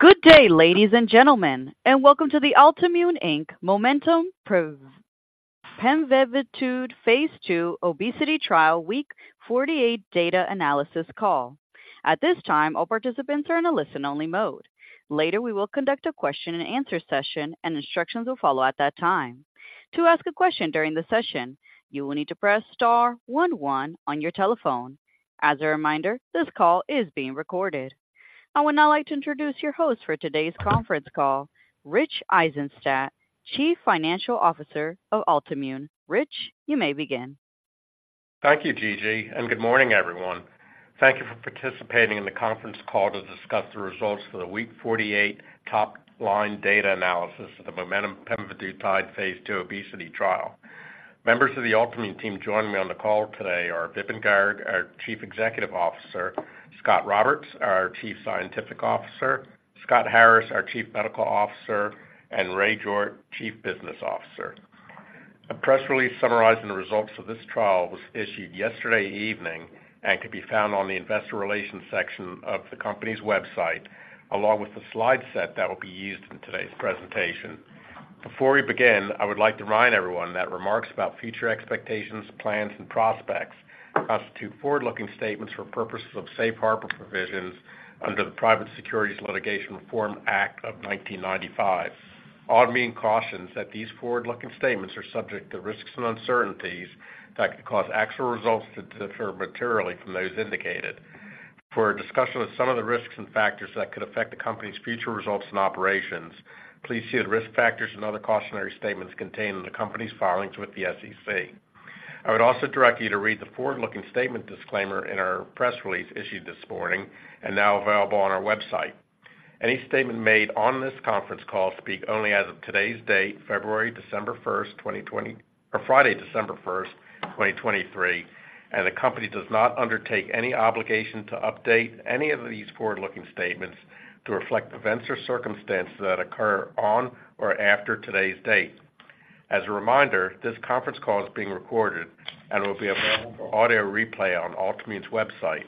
Good day, ladies and gentlemen, and welcome to the Altimmune, Inc. MOMENTUM pemvidutide phase 2 obesity trial, week 48 data analysis call. At this time, all participants are in a listen-only mode. Later, we will conduct a question and answer session, and instructions will follow at that time. To ask a question during the session, you will need to press star one one on your telephone. As a reminder, this call is being recorded. I would now like to introduce your host for today's conference call, Rich Eisenstadt, Chief Financial Officer of Altimmune, Inc. Rich, you may begin. Thank you, Gigi, and good morning, everyone. Thank you for participating in the conference call to discuss the results for the week 48 top line data analysis of the MOMENTUM pemvidutide phase II obesity trial. Members of the Altimmune team joining me on the call today are Vipin Garg, our Chief Executive Officer, Scot Roberts, our Chief Scientific Officer, Scott Harris, our Chief Medical Officer, and Ray George, Chief Business Officer. A press release summarizing the results of this trial was issued yesterday evening and can be found on the investor relations section of the company's website, along with the slide set that will be used in today's presentation. Before we begin, I would like to remind everyone that remarks about future expectations, plans, and prospects constitute forward-looking statements for purposes of safe harbor provisions under the Private Securities Litigation Reform Act of 1995. Altimmune cautions that these forward-looking statements are subject to risks and uncertainties that could cause actual results to differ materially from those indicated. For a discussion of some of the risks and factors that could affect the company's future results and operations, please see the risk factors and other cautionary statements contained in the company's filings with the SEC. I would also direct you to read the forward-looking statement disclaimer in our press release issued this morning and now available on our website. Any statement made on this conference call speak only as of today's date, Friday, December 1, 2023, and the company does not undertake any obligation to update any of these forward-looking statements to reflect events or circumstances that occur on or after today's date. As a reminder, this conference call is being recorded and will be available for audio replay on Altimmune's website.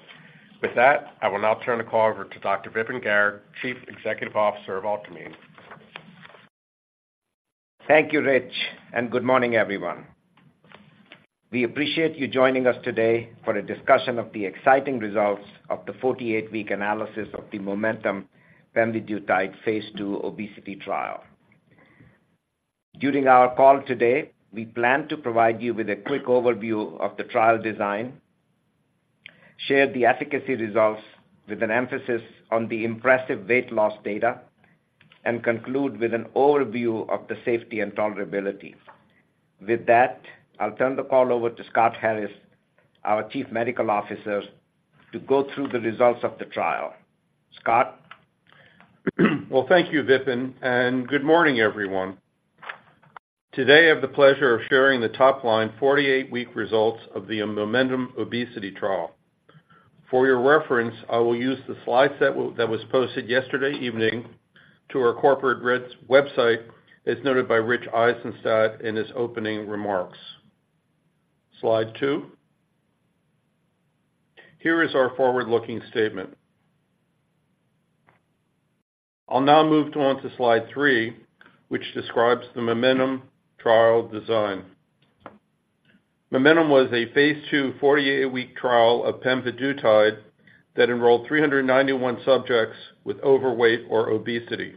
With that, I will now turn the call over to Dr. Vipin Garg, Chief Executive Officer of Altimmune. Thank you, Rich, and good morning, everyone. We appreciate you joining us today for a discussion of the exciting results of the 48-week analysis of the MOMENTUM pemvidutide phase II obesity trial. During our call today, we plan to provide you with a quick overview of the trial design, share the efficacy results with an emphasis on the impressive weight loss data, and conclude with an overview of the safety and tolerability. With that, I'll turn the call over to Scott Harris, our Chief Medical Officer, to go through the results of the trial. Scott? Well, thank you, Vipin, and good morning, everyone. Today, I have the pleasure of sharing the top-line 48-week results of the Momentum obesity trial. For your reference, I will use the slide set that was posted yesterday evening to our corporate website, as noted by Rich Eisenstadt in his opening remarks. Slide 2. Here is our forward-looking statement. I'll now move on to slide 3, which describes the Momentum trial design. Momentum was a phase 2, 48-week trial of pemvidutide that enrolled 391 subjects with overweight or obesity.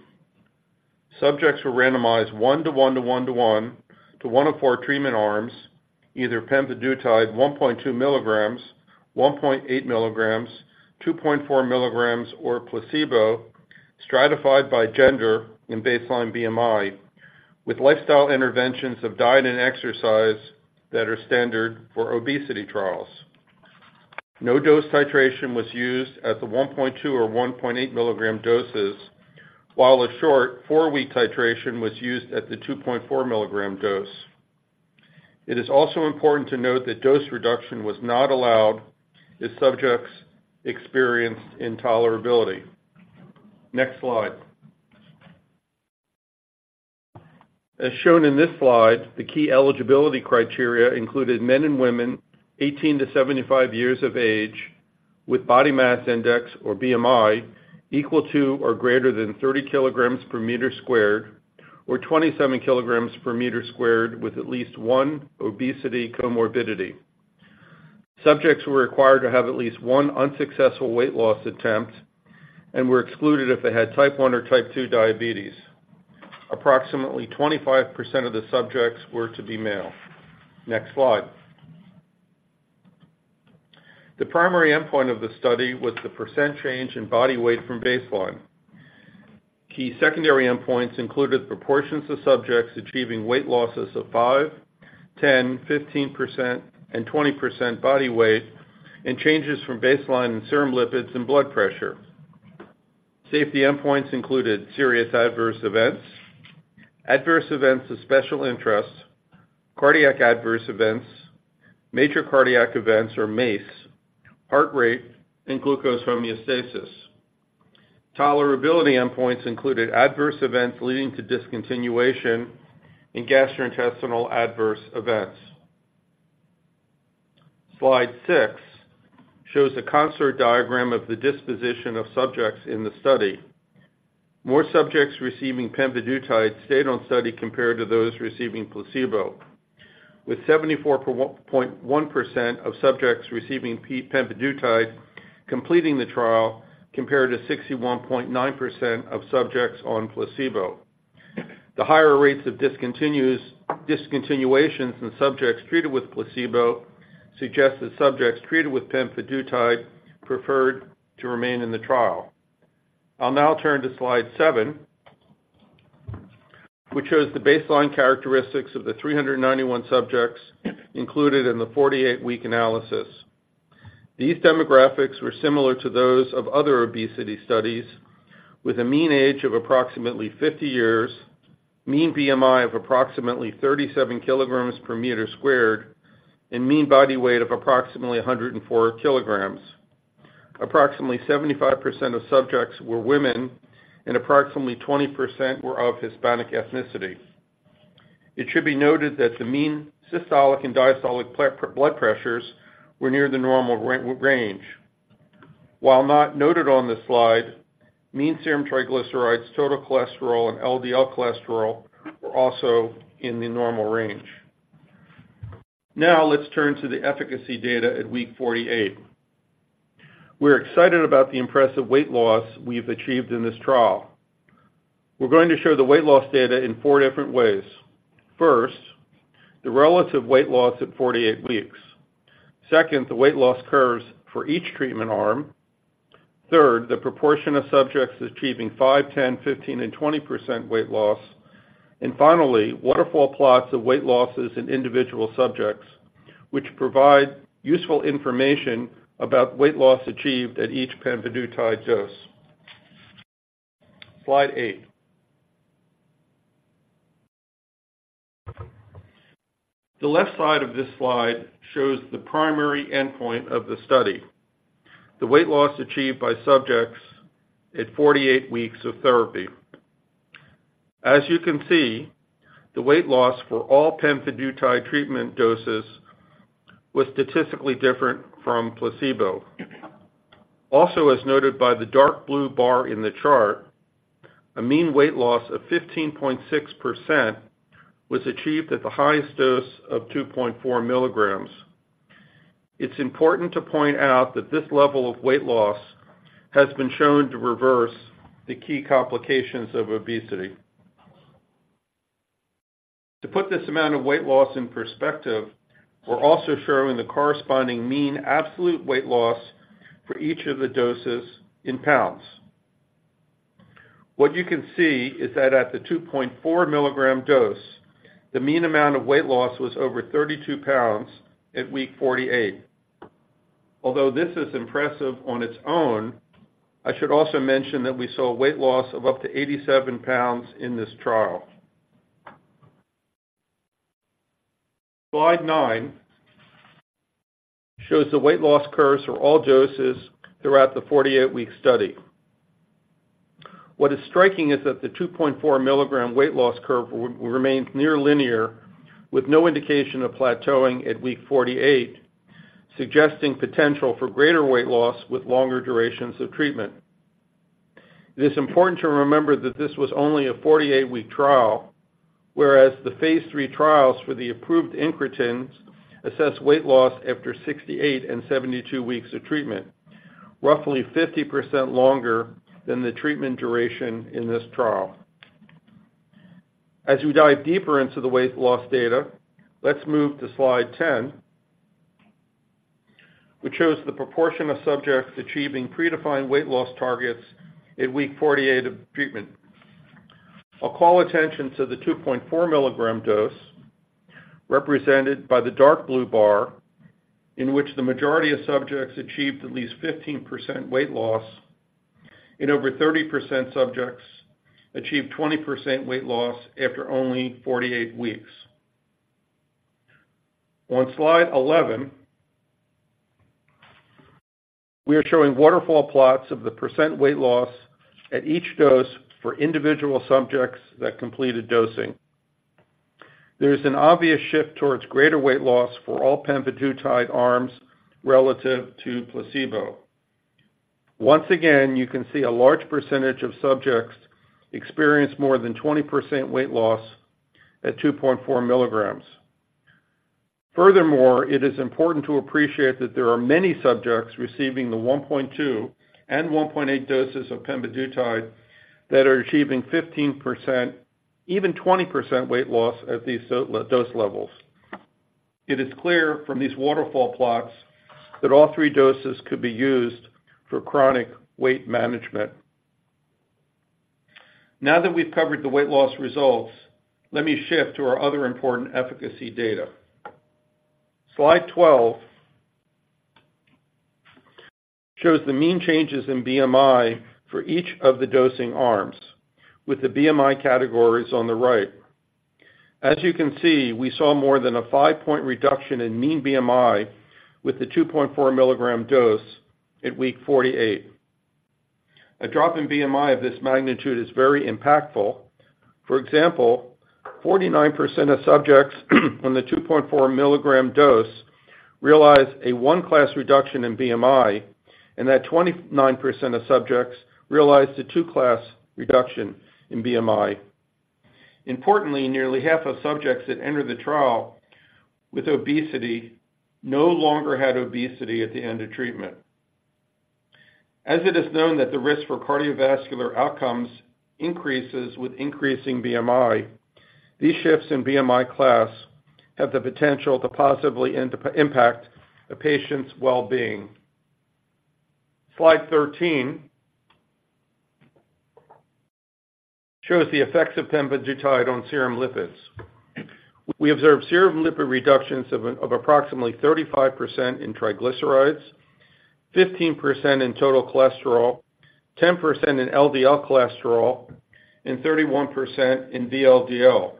Subjects were randomized 1-1, to 1-1, to 1 of 4 treatment arms, either pemvidutide 1.2 mg, 1.8 mg, 2.4 mg, or placebo, stratified by gender in baseline BMI, with lifestyle interventions of diet and exercise that are standard for obesity trials. No dose titration was used at the 1.2 or 1.8 mg doses, while a short 4-week titration was used at the 2.4 milligram dose. It is also important to note that dose reduction was not allowed if subjects experienced intolerability. Next slide. As shown in this slide, the key eligibility criteria included men and women 18-75 years of age, with body mass index, or BMI, equal to or greater than 30 kilograms per meter squared, or 27 kg per meter squared, with at least 1 obesity comorbidity. Subjects were required to have at least 1 unsuccessful weight loss attempt and were excluded if they had type 1 or type 2 diabetes. Approximately 25% of the subjects were to be male. Next slide. The primary endpoint of the study was the percent change in body weight from baseline. Key secondary endpoints included proportions of subjects achieving weight losses of 5%, 10%, 15%, and 20% body weight, and changes from baseline in serum lipids and blood pressure. Safety endpoints included serious adverse events, adverse events of special interest, cardiac adverse events, major cardiac events or MACE, heart rate, and glucose homeostasis. Tolerability endpoints included adverse events leading to discontinuation and gastrointestinal adverse events. Slide 6 shows a CONSORT diagram of the disposition of subjects in the study. More subjects receiving pemvidutide stayed on study compared to those receiving placebo, with 74.1% of subjects receiving pemvidutide completing the trial, compared to 61.9% of subjects on placebo. The higher rates of discontinuations in subjects treated with placebo suggest that subjects treated with pemvidutide preferred to remain in the trial. I'll now turn to slide 7, which shows the baseline characteristics of the 391 subjects included in the 48-week analysis. These demographics were similar to those of other obesity studies, with a mean age of approximately 50 years, mean BMI of approximately 37 kg per meter squared, and mean body weight of approximately 104 kg. Approximately 75% of subjects were women, and approximately 20% were of Hispanic ethnicity. It should be noted that the mean systolic and diastolic blood pressures were near the normal range. While not noted on this slide, mean serum triglycerides, total cholesterol, and LDL cholesterol were also in the normal range. Now, let's turn to the efficacy data at week 48. We're excited about the impressive weight loss we've achieved in this trial. We're going to show the weight loss data in four different ways. First, the relative weight loss at 48 weeks. Second, the weight loss curves for each treatment arm. Third, the proportion of subjects achieving 5%, 10%, 15%, and 20% weight loss. And finally, waterfall plots of weight losses in individual subjects, which provide useful information about weight loss achieved at each pemvidutide dose. Slide 8. The left side of this slide shows the primary endpoint of the study, the weight loss achieved by subjects at 48 weeks of therapy. As you can see, the weight loss for all pemvidutide treatment doses was statistically different from placebo. Also, as noted by the dark blue bar in the chart, a mean weight loss of 15.6% was achieved at the highest dose of 2.4 mg. It's important to point out that this level of weight loss has been shown to reverse the key complications of obesity. To put this amount of weight loss in perspective, we're also showing the corresponding mean absolute weight loss for each of the doses in pounds. What you can see is that at the 2.4 milligram dose, the mean amount of weight loss was over 32 pounds at week 48. Although this is impressive on its own, I should also mention that we saw a weight loss of up to 87 pounds in this trial. Slide 9 shows the weight loss curves for all doses throughout the 48-week study. What is striking is that the 2.4 milligram weight loss curve remains near linear, with no indication of plateauing at week 48, suggesting potential for greater weight loss with longer durations of treatment. It is important to remember that this was only a 48-week trial, whereas the phase 3 trials for the approved incretins assess weight loss after 68 and 72 weeks of treatment, roughly 50% longer than the treatment duration in this trial. As we dive deeper into the weight loss data, let's move to slide 10, which shows the proportion of subjects achieving predefined weight loss targets at week 48 of treatment. I'll call attention to the 2.4 mg dose, represented by the dark blue bar, in which the majority of subjects achieved at least 15% weight loss, and over 30% subjects achieved 20% weight loss after only 48 weeks. On slide 11, we are showing waterfall plots of the % weight loss at each dose for individual subjects that completed dosing. There is an obvious shift towards greater weight loss for all pemvidutide arms relative to placebo. Once again, you can see a large percentage of subjects experienced more than 20% weight loss at 2.4 mg. Furthermore, it is important to appreciate that there are many subjects receiving the 1.2 and 1.8 doses of pemvidutide that are achieving 15%, even 20% weight loss at these dose levels. It is clear from these waterfall plots that all three doses could be used for chronic weight management. Now that we've covered the weight loss results, let me shift to our other important efficacy data. Slide 12 shows the mean changes in BMI for each of the dosing arms, with the BMI categories on the right. As you can see, we saw more than a 5-point reduction in mean BMI with the 2.4 mg dose at week 48. A drop in BMI of this magnitude is very impactful. For example, 49% of subjects on the 2.4 milligram dose realized a 1-class reduction in BMI, and 29% of subjects realized a 2-class reduction in BMI. Importantly, nearly half of subjects that entered the trial with obesity no longer had obesity at the end of treatment. As it is known that the risk for cardiovascular outcomes increases with increasing BMI, these shifts in BMI class have the potential to positively impact a patient's well-being. Slide 13 shows the effects of pemvidutide on serum lipids. We observed serum lipid reductions of approximately 35% in triglycerides, 15% in total cholesterol, 10% in LDL cholesterol, and 31% in VLDL.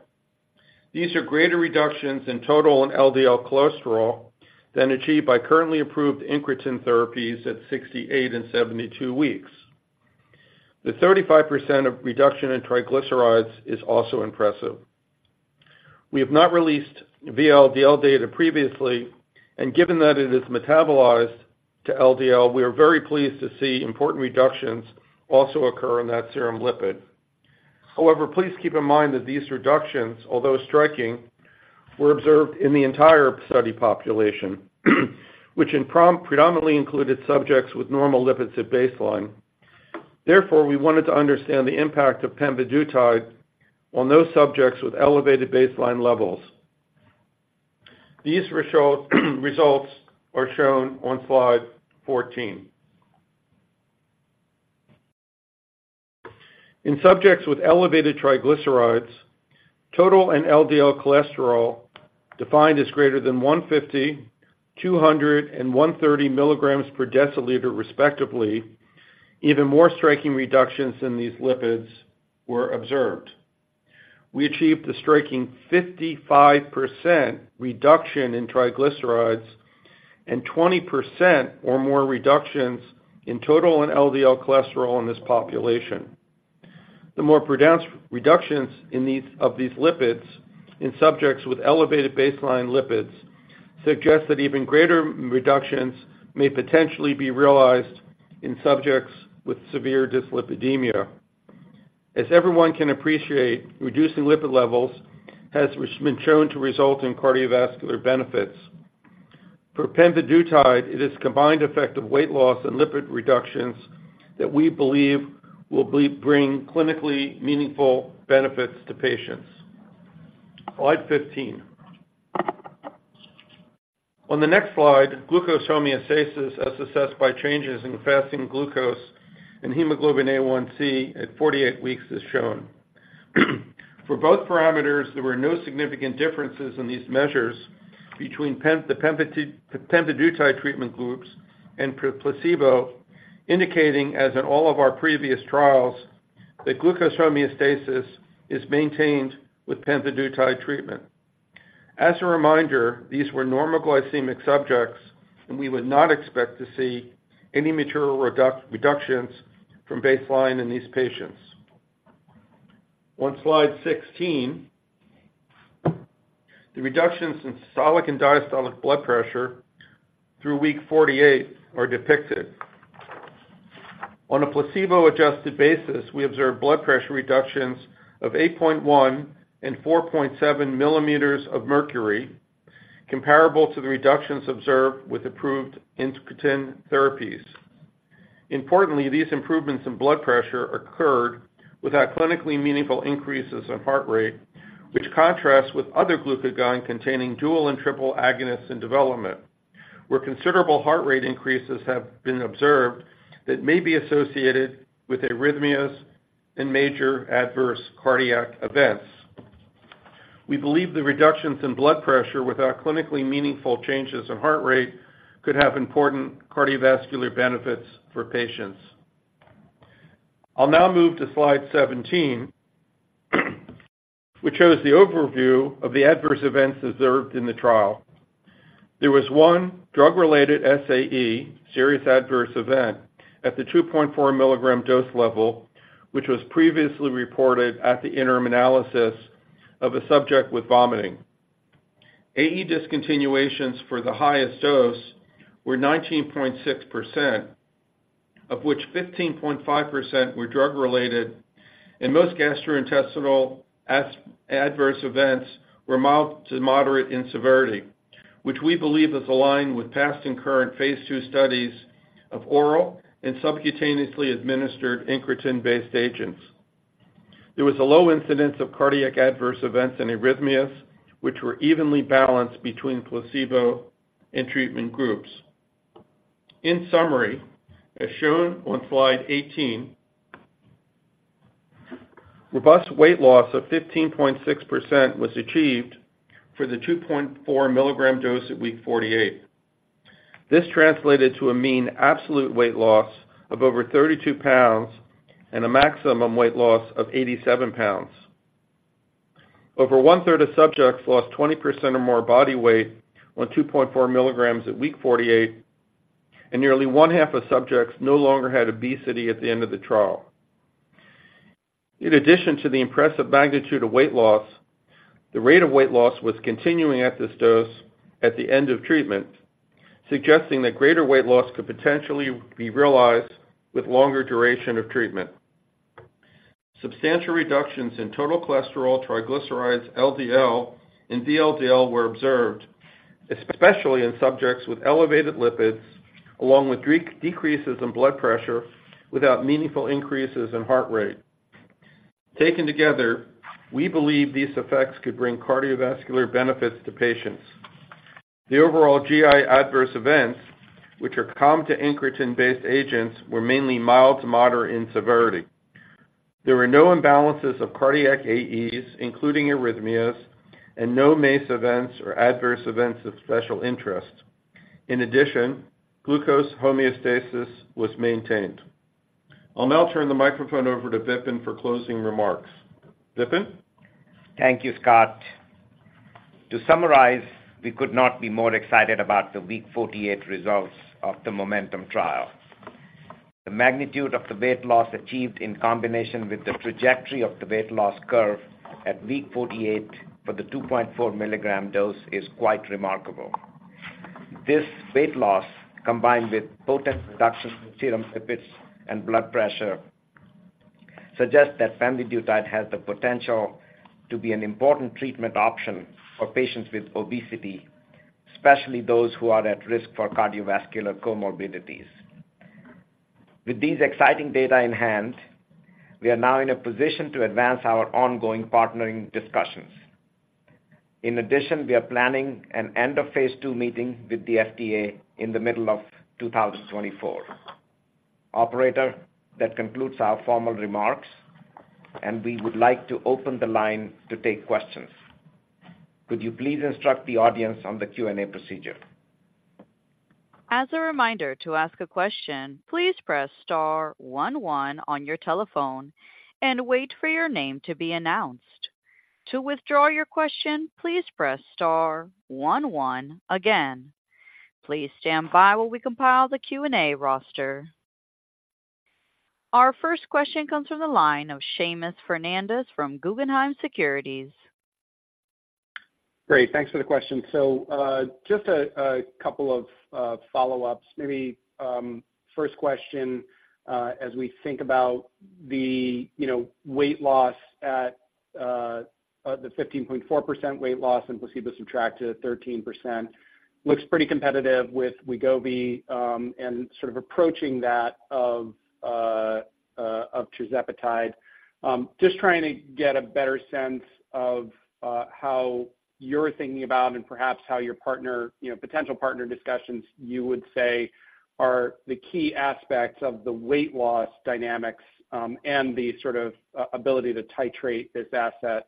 These are greater reductions in total and LDL cholesterol than achieved by currently approved incretin therapies at 68 and 72 weeks. The 35% reduction in triglycerides is also impressive. We have not released VLDL data previously, and given that it is metabolized to LDL, we are very pleased to see important reductions also occur in that serum lipid. However, please keep in mind that these reductions, although striking, were observed in the entire study population, which predominantly included subjects with normal lipids at baseline. Therefore, we wanted to understand the impact of pemvidutide on those subjects with elevated baseline levels. These results are shown on slide 14. In subjects with elevated triglycerides, total and LDL cholesterol, defined as greater than 150, 200, and 130 mg per deciliter, respectively, even more striking reductions in these lipids were observed. We achieved a striking 55% reduction in triglycerides and 20% or more reductions in total and LDL cholesterol in this population. The more pronounced reductions in these lipids in subjects with elevated baseline lipids suggest that even greater reductions may potentially be realized in subjects with severe dyslipidemia. As everyone can appreciate, reducing lipid levels has been shown to result in cardiovascular benefits. For pemvidutide, it is combined effect of weight loss and lipid reductions that we believe will bring clinically meaningful benefits to patients. Slide 15. On the next slide, glucose homeostasis, as assessed by changes in fasting glucose and hemoglobin A1c at 48 weeks, is shown. For both parameters, there were no significant differences in these measures between the pemvidutide treatment groups and placebo, indicating, as in all of our previous trials, that glucose homeostasis is maintained with pemvidutide treatment. As a reminder, these were normal glycemic subjects, and we would not expect to see any material reductions from baseline in these patients. On slide 16, the reductions in systolic and diastolic blood pressure through week 48 are depicted. On a placebo-adjusted basis, we observed blood pressure reductions of 8.1 and 4.7 mm of mercury, comparable to the reductions observed with approved incretin therapies. Importantly, these improvements in blood pressure occurred without clinically meaningful increases in heart rate, which contrasts with other glucagon-containing dual and triple agonists in development, where considerable heart rate increases have been observed that may be associated with arrhythmias and major adverse cardiac events. We believe the reductions in blood pressure without clinically meaningful changes in heart rate could have important cardiovascular benefits for patients. I'll now move to slide 17, which shows the overview of the adverse events observed in the trial. There was one drug-related SAE, serious adverse event, at the 2.4 mg dose level, which was previously reported at the interim analysis of a subject with vomiting. AE discontinuations for the highest dose were 19.6%, of which 15.5% were drug-related, and most gastrointestinal adverse events were mild to moderate in severity, which we believe is aligned with past and current phase 2 studies of oral and subcutaneously administered incretin-based agents. There was a low incidence of cardiac adverse events and arrhythmias, which were evenly balanced between placebo and treatment groups. In summary, as shown on slide 18, robust weight loss of 15.6% was achieved for the 2.4 mg dose at week 48. This translated to a mean absolute weight loss of over 32 lbs and a maximum weight loss of 87 lbs. Over one third of subjects lost 20% or more body weight on 2.4 mg at week 48, and nearly one half of subjects no longer had obesity at the end of the trial. In addition to the impressive magnitude of weight loss, the rate of weight loss was continuing at this dose at the end of treatment, suggesting that greater weight loss could potentially be realized with longer duration of treatment. Substantial reductions in total cholesterol, triglycerides, LDL, and VLDL were observed, especially in subjects with elevated lipids, along with decreases in blood pressure without meaningful increases in heart rate. Taken together, we believe these effects could bring cardiovascular benefits to patients. The overall GI adverse events, which are common to incretin-based agents, were mainly mild to moderate in severity. There were no imbalances of cardiac AEs, including arrhythmias, and no MACE events or adverse events of special interest. In addition, glucose homeostasis was maintained. I'll now turn the microphone over to Vipin for closing remarks. Vipin? Thank you, Scott. To summarize, we could not be more excited about the week 48 results of the MOMENTUM trial. The magnitude of the weight loss achieved in combination with the trajectory of the weight loss curve at week 48 for the 2.4 mg dose is quite remarkable. This weight loss, combined with potent reductions in serum lipids and blood pressure, suggests that pemvidutide has the potential to be an important treatment option for patients with obesity, especially those who are at risk for cardiovascular comorbidities. With these exciting data in hand, we are now in a position to advance our ongoing partnering discussions. In addition, we are planning an end of phase two meeting with the FDA in the middle of 2024. Operator, that concludes our formal remarks, and we would like to open the line to take questions. Could you please instruct the audience on the Q&A procedure? As a reminder, to ask a question, please press star one, one on your telephone and wait for your name to be announced. To withdraw your question, please press star one, one again. Please stand by while we compile the Q&A roster. Our first question comes from the line of Seamus Fernandez from Guggenheim Securities. Great, thanks for the question. So, just a couple of follow-ups. Maybe, first question, as we think about the, you know, weight loss at, the 15.4% weight loss and placebo subtracted, 13% looks pretty competitive with Wegovy, and sort of approaching that of, of tirzepatide. Just trying to get a better sense of, how you're thinking about and perhaps how your partner, you know, potential partner discussions, you would say, are the key aspects of the weight loss dynamics, and the sort of, ability to titrate this asset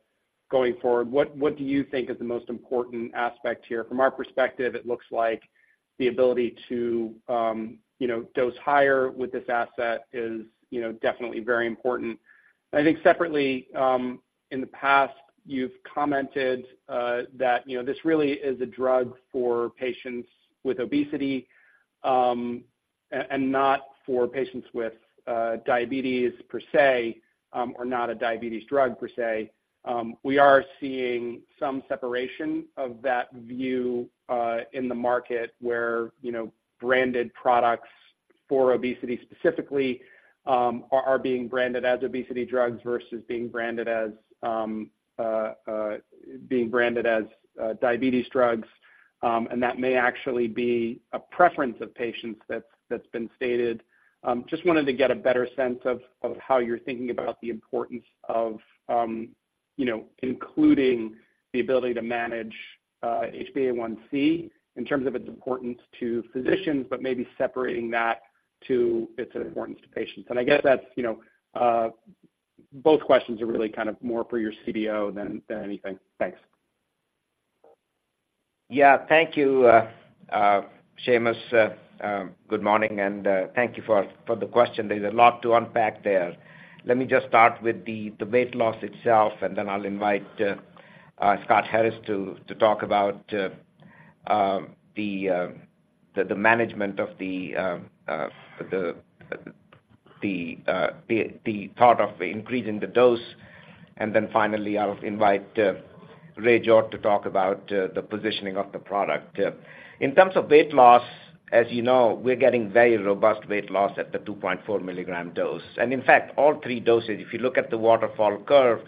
going forward. What do you think is the most important aspect here? From our perspective, it looks like the ability to, you know, dose higher with this asset is, you know, definitely very important. I think separately, in the past, you've commented that, you know, this really is a drug for patients with obesity, and not for patients with diabetes per se, or not a diabetes drug per se. We are seeing some separation of that view, in the market where, you know, branded products for obesity specifically, are being branded as obesity drugs versus being branded as diabetes drugs. And that may actually be a preference of patients that's been stated. Just wanted to get a better sense of how you're thinking about the importance of, you know, including the ability to manage HbA1c in terms of its importance to physicians, but maybe separating that to its importance to patients. I guess that's, you know, both questions are really kind of more for your CDO than anything. Thanks. Yeah, thank you, Seamus. Good morning, and thank you for the question. There's a lot to unpack there. Let me just start with the weight loss itself, and then I'll invite Scott Harris to talk about the management of the thought of increasing the dose. And then finally, I'll invite Ray George to talk about the positioning of the product. In terms of weight loss, as you know, we're getting very robust weight loss at the 2.4 mg dose. And in fact, all three doses, if you look at the waterfall curve,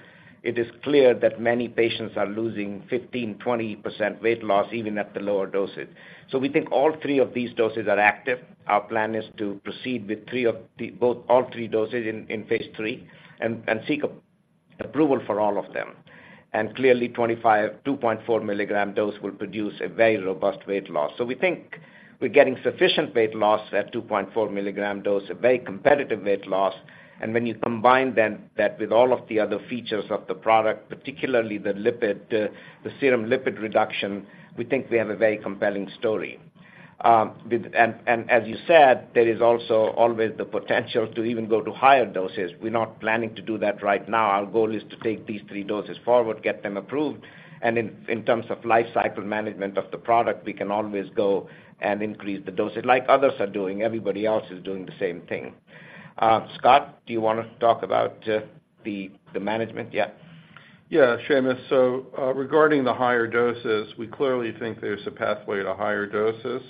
it is clear that many patients are losing 15%-20% weight loss, even at the lower doses. So we think all three of these doses are active. Our plan is to proceed with all three doses in phase 3 and seek approval for all of them. Clearly, 25, 2.4 mg dose will produce a very robust weight loss. So we think we're getting sufficient weight loss at 2.4 mg dose, a very competitive weight loss. And when you combine that with all of the other features of the product, particularly the lipid, the serum lipid reduction, we think we have a very compelling story.... as you said, there is also always the potential to even go to higher doses. We're not planning to do that right now. Our goal is to take these three doses forward, get them approved, and in terms of life cycle management of the product, we can always go and increase the dosage, like others are doing. Everybody else is doing the same thing. Scott, do you want to talk about the management? Yeah. Yeah, Seamus. So, regarding the higher doses, we clearly think there's a pathway to higher doses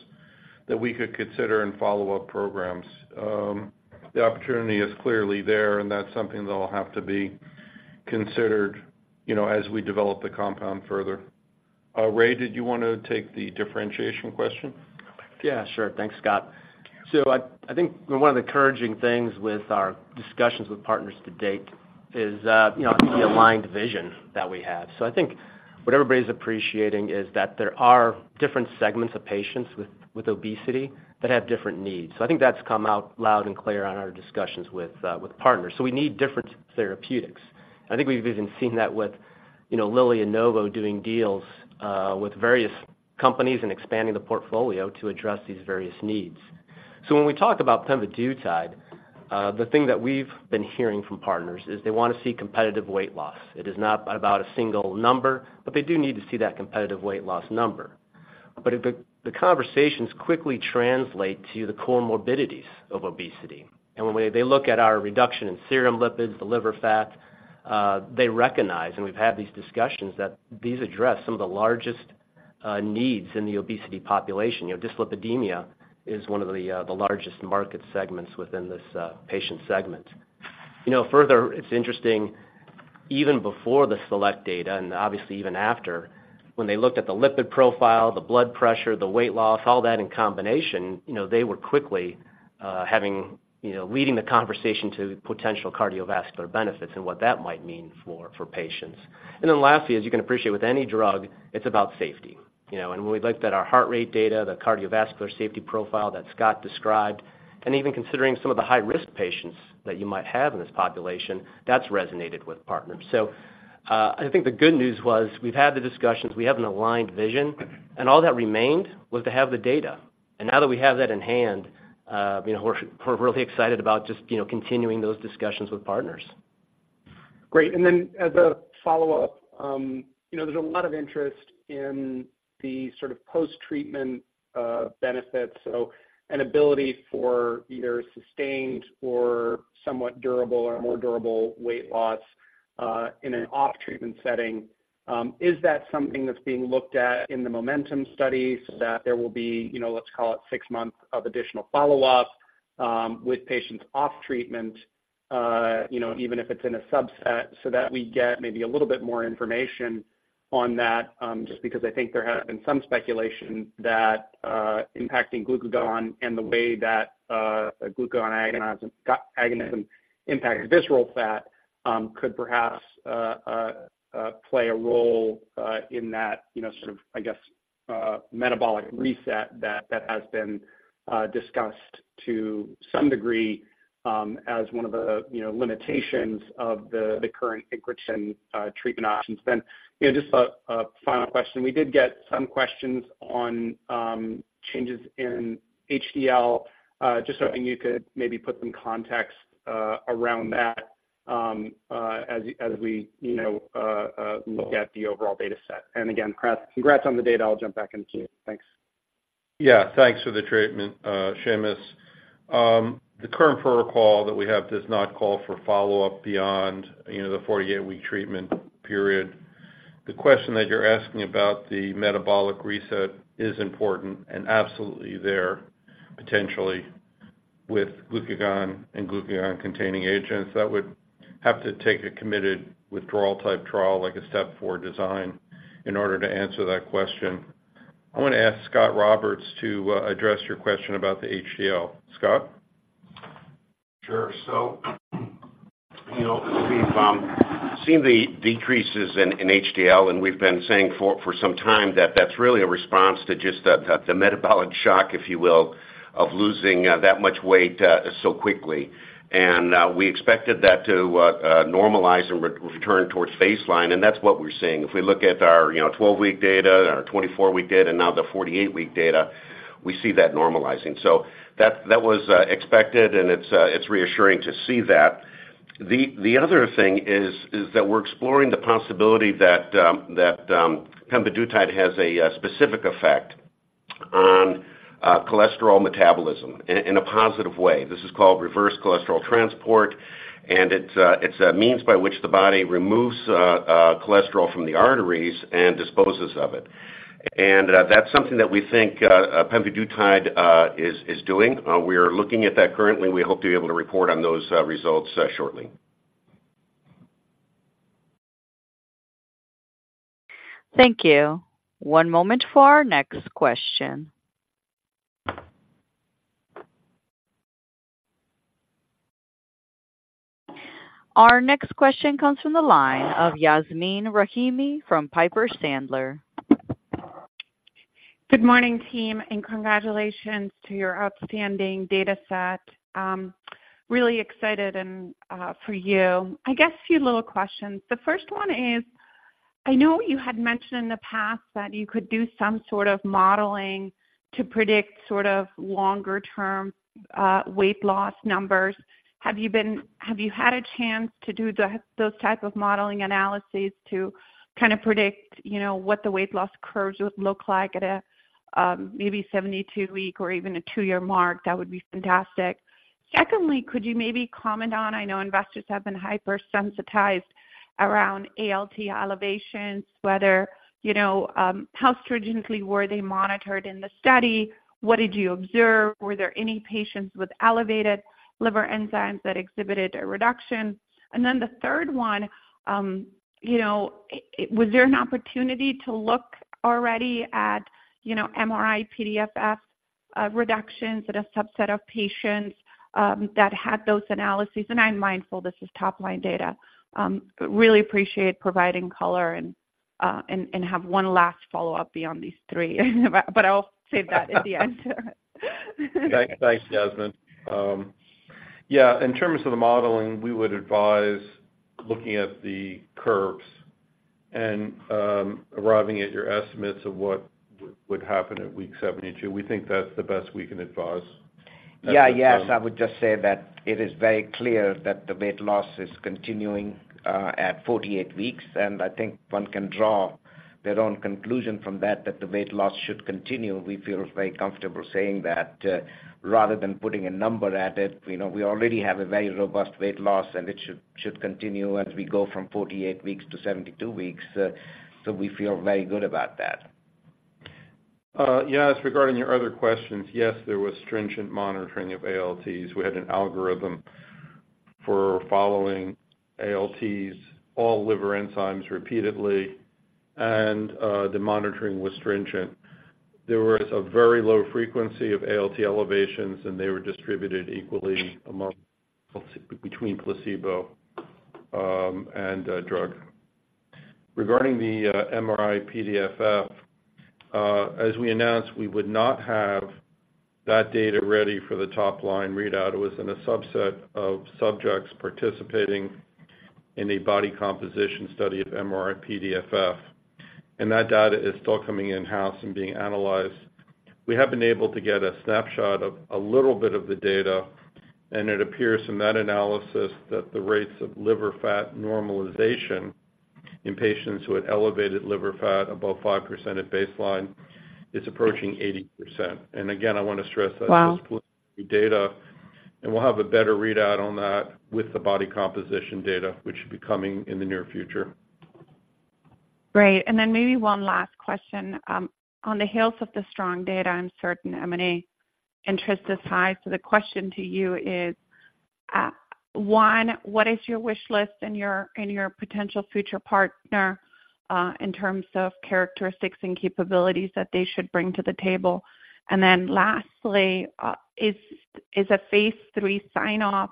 that we could consider in follow-up programs. The opportunity is clearly there, and that's something that'll have to be considered, you know, as we develop the compound further. Ray, did you want to take the differentiation question? Yeah, sure. Thanks, Scott. So I think one of the encouraging things with our discussions with partners to date is, you know, the aligned vision that we have. So I think what everybody's appreciating is that there are different segments of patients with obesity that have different needs. So I think that's come out loud and clear on our discussions with partners. So we need different therapeutics. I think we've even seen that with, you know, Lilly and Novo doing deals with various companies and expanding the portfolio to address these various needs. So when we talk about pemvidutide, the thing that we've been hearing from partners is they want to see competitive weight loss. It is not about a single number, but they do need to see that competitive weight loss number. But if the conversations quickly translate to the comorbidities of obesity, and when they look at our reduction in serum lipids, the liver fat, they recognize, and we've had these discussions, that these address some of the largest needs in the obesity population. You know, dyslipidemia is one of the largest market segments within this patient segment. You know, further, it's interesting, even before the SELECT data, and obviously even after, when they looked at the lipid profile, the blood pressure, the weight loss, all that in combination, you know, they were quickly having, you know, leading the conversation to potential cardiovascular benefits and what that might mean for patients. And then lastly, as you can appreciate with any drug, it's about safety. You know, and when we looked at our heart rate data, the cardiovascular safety profile that Scott described, and even considering some of the high-risk patients that you might have in this population, that's resonated with partners. So, I think the good news was we've had the discussions, we have an aligned vision, and all that remained was to have the data. And now that we have that in hand, you know, we're really excited about just, you know, continuing those discussions with partners. Great. And then as a follow-up, you know, there's a lot of interest in the sort of post-treatment, benefits. So an ability for either sustained or somewhat durable or more durable weight loss, in an off-treatment setting. Is that something that's being looked at in the MOMENTUM studies, that there will be, you know, let's call it six months of additional follow-up, with patients off treatment, you know, even if it's in a subset, so that we get maybe a little bit more information on that? Just because I think there has been some speculation that impacting glucagon and the way that a glucagon agonism impacts visceral fat could perhaps play a role in that, you know, sort of, I guess, metabolic reset that has been discussed to some degree as one of the, you know, limitations of the current incretin treatment options. Then, you know, just a final question. We did get some questions on changes in HDL. Just wondering if you could maybe put some context around that as we, you know, look at the overall data set. And again, congrats, congrats on the data. I'll jumpback in the queue. Thanks. Yeah, thanks for the treatment, Seamus. The current protocol that we have does not call for follow-up beyond, you know, the 48-week treatment period. The question that you're asking about the metabolic reset is important and absolutely there, potentially, with glucagon and glucagon-containing agents. That would have to take a committed withdrawal type trial, like a STEP 4 design, in order to answer that question. I want to ask Scot Roberts to address your question about the HDL. Scot? Sure. So, you know, we've seen the decreases in HDL, and we've been saying for some time that that's really a response to just the metabolic shock, if you will, of losing that much weight so quickly. And we expected that to normalize and return towards baseline, and that's what we're seeing. If we look at our, you know, 12-week data, our 24-week data, and now the 48-week data, we see that normalizing. So that was expected, and it's reassuring to see that. The other thing is that we're exploring the possibility that pemvidutide has a specific effect on cholesterol metabolism in a positive way. This is called reverse cholesterol transport, and it's a means by which the body removes cholesterol from the arteries and disposes of it. And that's something that we think pemvidutide is doing. We are looking at that currently. We hope to be able to report on those results shortly. Thank you. One moment for our next question. Our next question comes from the line of Yasmin Rahimi from Piper Sandler. Good morning, team, and congratulations to your outstanding data set. Really excited and for you. I guess a few little questions. The first one is... I know you had mentioned in the past that you could do some sort of modeling to predict sort of longer-term weight loss numbers. Have you had a chance to do those type of modeling analyses to kind of predict, you know, what the weight loss curves would look like at a maybe 72-week or even a two-year mark? That would be fantastic. Secondly, could you maybe comment on, I know investors have been hypersensitized around ALT elevations, whether, you know, how stringently were they monitored in the study? What did you observe? Were there any patients with elevated liver enzymes that exhibited a reduction? And then the third one, you know, is there an opportunity to look already at, you know, MRI-PDFF reductions at a subset of patients that had those analyses? And I'm mindful this is top-line data. But really appreciate providing color and have one last follow-up beyond these three, but I'll save that at the end. Thanks. Thanks, Yasmin. Yeah, in terms of the modeling, we would advise looking at the curves and arriving at your estimates of what would happen at week 72. We think that's the best we can advise. Yeah. Yes, I would just say that it is very clear that the weight loss is continuing at 48 weeks, and I think one can draw their own conclusion from that, that the weight loss should continue. We feel very comfortable saying that, rather than putting a number at it. You know, we already have a very robust weight loss, and it should, should continue as we go from 48 weeks to 72 weeks. So we feel very good about that. Yes, regarding your other questions, yes, there was stringent monitoring of ALTs. We had an algorithm for following ALTs, all liver enzymes repeatedly, and the monitoring was stringent. There was a very low frequency of ALT elevations, and they were distributed equally among, between placebo, and drug. Regarding the MRI-PDFF, as we announced, we would not have that data ready for the top line readout. It was in a subset of subjects participating in a body composition study of MRI-PDFF, and that data is still coming in-house and being analyzed. We have been able to get a snapshot of a little bit of the data, and it appears from that analysis that the rates of liver fat normalization in patients with elevated liver fat above 5% at baseline is approaching 80%. And again, I want to stress that- Wow! data, and we'll have a better readout on that with the body composition data, which should be coming in the near future. Great. And then maybe one last question. On the heels of the strong data, I'm certain M&A interest is high. So the question to you is, one, what is your wish list in your potential future partner, in terms of characteristics and capabilities that they should bring to the table? And then lastly, is a phase III sign-off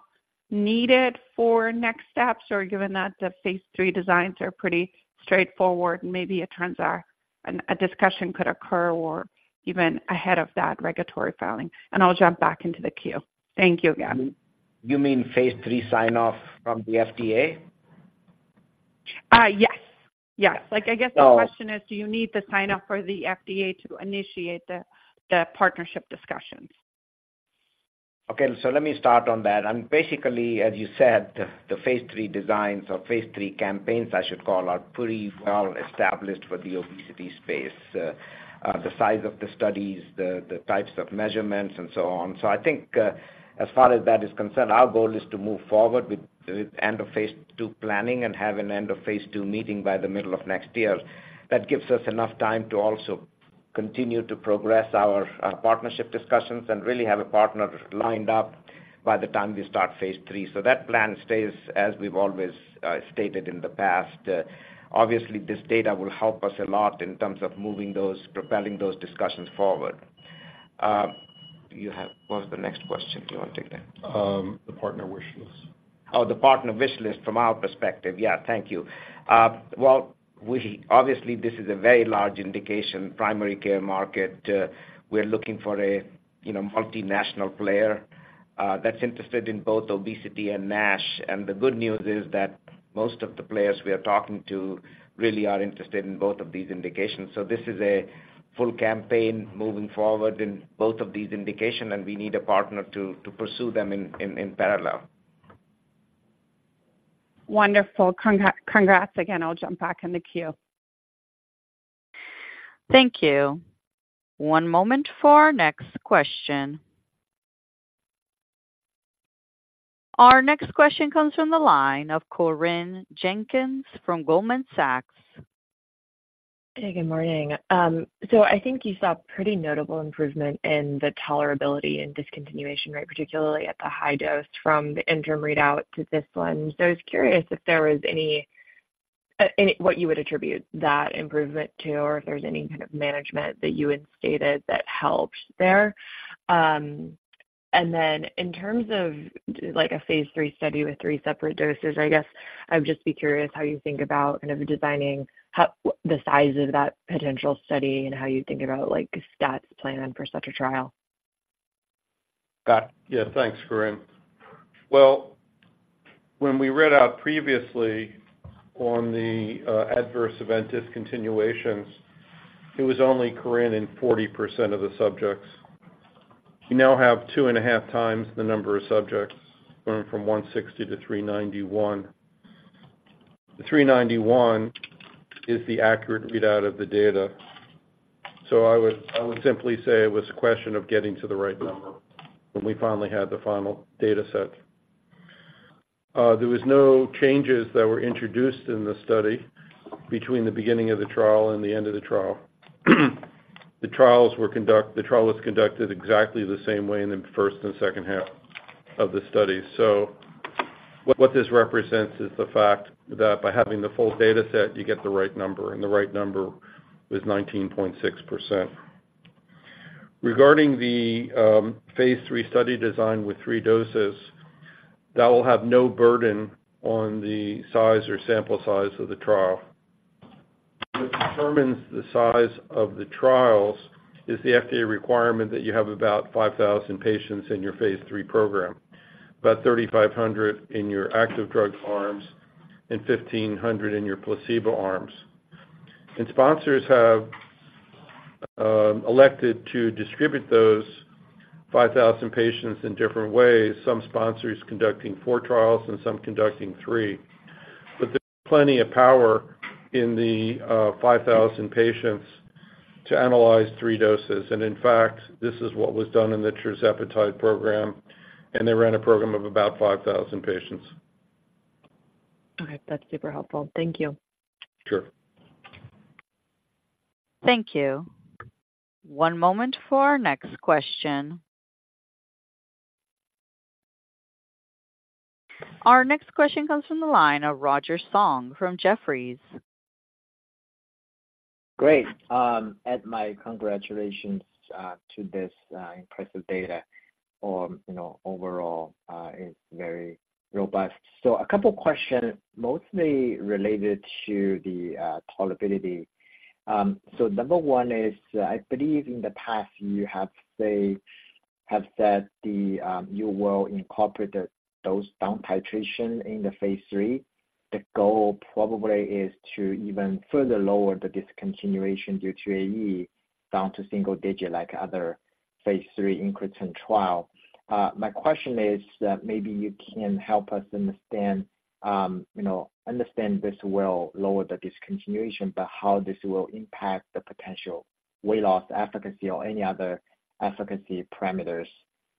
needed for next steps? Or given that the phase III designs are pretty straightforward, maybe an end-of-phase 2 and a discussion could occur or even ahead of that regulatory filing. And I'll jump back into the queue. Thank you again. You mean phase III sign-off from the FDA? Yes. Yes. So- Like, I guess the question is, do you need the sign-off for the FDA to initiate the partnership discussions? Okay, so let me start on that. And basically, as you said, the phase III designs or phase III campaigns, I should call, are pretty well established for the obesity space, the size of the studies, the types of measurements and so on. So I think, as far as that is concerned, our goal is to move forward with the end of phase II planning and have an end of phase II meeting by the middle of next year. That gives us enough time to also continue to progress our partnership discussions and really have a partner lined up by the time we start phase III. So that plan stays as we've always stated in the past. Obviously, this data will help us a lot in terms of moving those, propelling those discussions forward. You have—what was the next question? Do you want to take that? The partner wish list. Oh, the partner wish list from our perspective. Yeah, thank you. Well, obviously, this is a very large indication, primary care market. We're looking for a, you know, multinational player, that's interested in both obesity and NASH. And the good news is that most of the players we are talking to really are interested in both of these indications. So this is a full campaign moving forward in both of these indications, and we need a partner to pursue them in parallel. Wonderful. Congrats again. I'll jump back in the queue. Thank you. One moment for our next question. Our next question comes from the line of Corinne Jenkins from Goldman Sachs. Hey, good morning. So I think you saw pretty notable improvement in the tolerability and discontinuation rate, particularly at the high dose from the interim readout to this one. So I was curious if there was any what you would attribute that improvement to, or if there's any kind of management that you had stated that helped there? And then in terms of, like, a phase 3 study with three separate doses, I guess I would just be curious how you think about kind of designing the size of that potential study and how you think about, like, stats plan for such a trial?... Scott? Yeah, thanks, Corinne. Well, when we read out previously on the adverse event discontinuations, it was only Corinne in 40% of the subjects. You now have 2.5 times the number of subjects, going from 160 to 391. The 391 is the accurate readout of the data. So I would simply say it was a question of getting to the right number when we finally had the final data set. There was no changes that were introduced in the study between the beginning of the trial and the end of the trial. The trial was conducted exactly the same way in the first and second half of the study. What this represents is the fact that by having the full data set, you get the right number, and the right number is 19.6%. Regarding the phase three study design with three doses, that will have no burden on the size or sample size of the trial. What determines the size of the trials is the FDA requirement that you have about 5,000 patients in your phase three program. About 3,500 in your active drug arms and 1,500 in your placebo arms. Sponsors have elected to distribute those 5,000 patients in different ways, some sponsors conducting four trials and some conducting three. But there's plenty of power in the 5,000 patients to analyze three doses. In fact, this is what was done in the tirzepatide program, and they ran a program of about 5,000 patients. All right. That's super helpful. Thank you. Sure. Thank you. One moment for our next question. Our next question comes from the line of Roger Song from Jefferies. Great. Add my congratulations to this impressive data on, you know, overall, it's very robust. So a couple questions, mostly related to the tolerability. So number 1 is, I believe in the past you have said the, you will incorporate the dose down titration in the phase 3. The goal probably is to even further lower the discontinuation due to AE down to single digit like other phase 3 incretin trial. My question is that maybe you can help us understand, you know, understand this will lower the discontinuation, but how this will impact the potential weight loss, efficacy or any other efficacy parameters.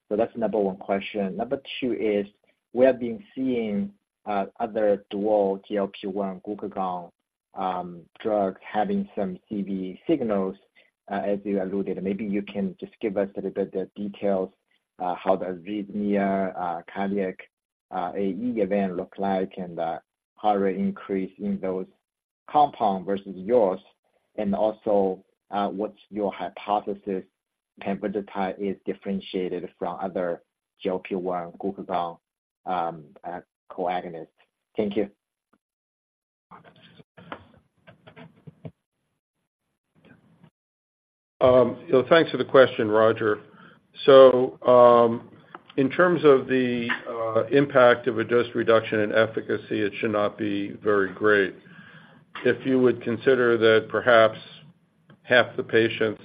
So that's number one question. Number 2 is, we have been seeing other dual GLP-1 glucagon drugs having some CV signals, as you alluded. Maybe you can just give us a little bit of details, how the arrhythmia, cardiac, AE event look like and, heart rate increase in those compound versus yours. And also, what's your hypothesis semaglutide is differentiated from other GLP-1 glucagon, co-agonists? Thank you. You know, thanks for the question, Roger. So, in terms of the impact of a dose reduction in efficacy, it should not be very great. If you would consider that perhaps half the patients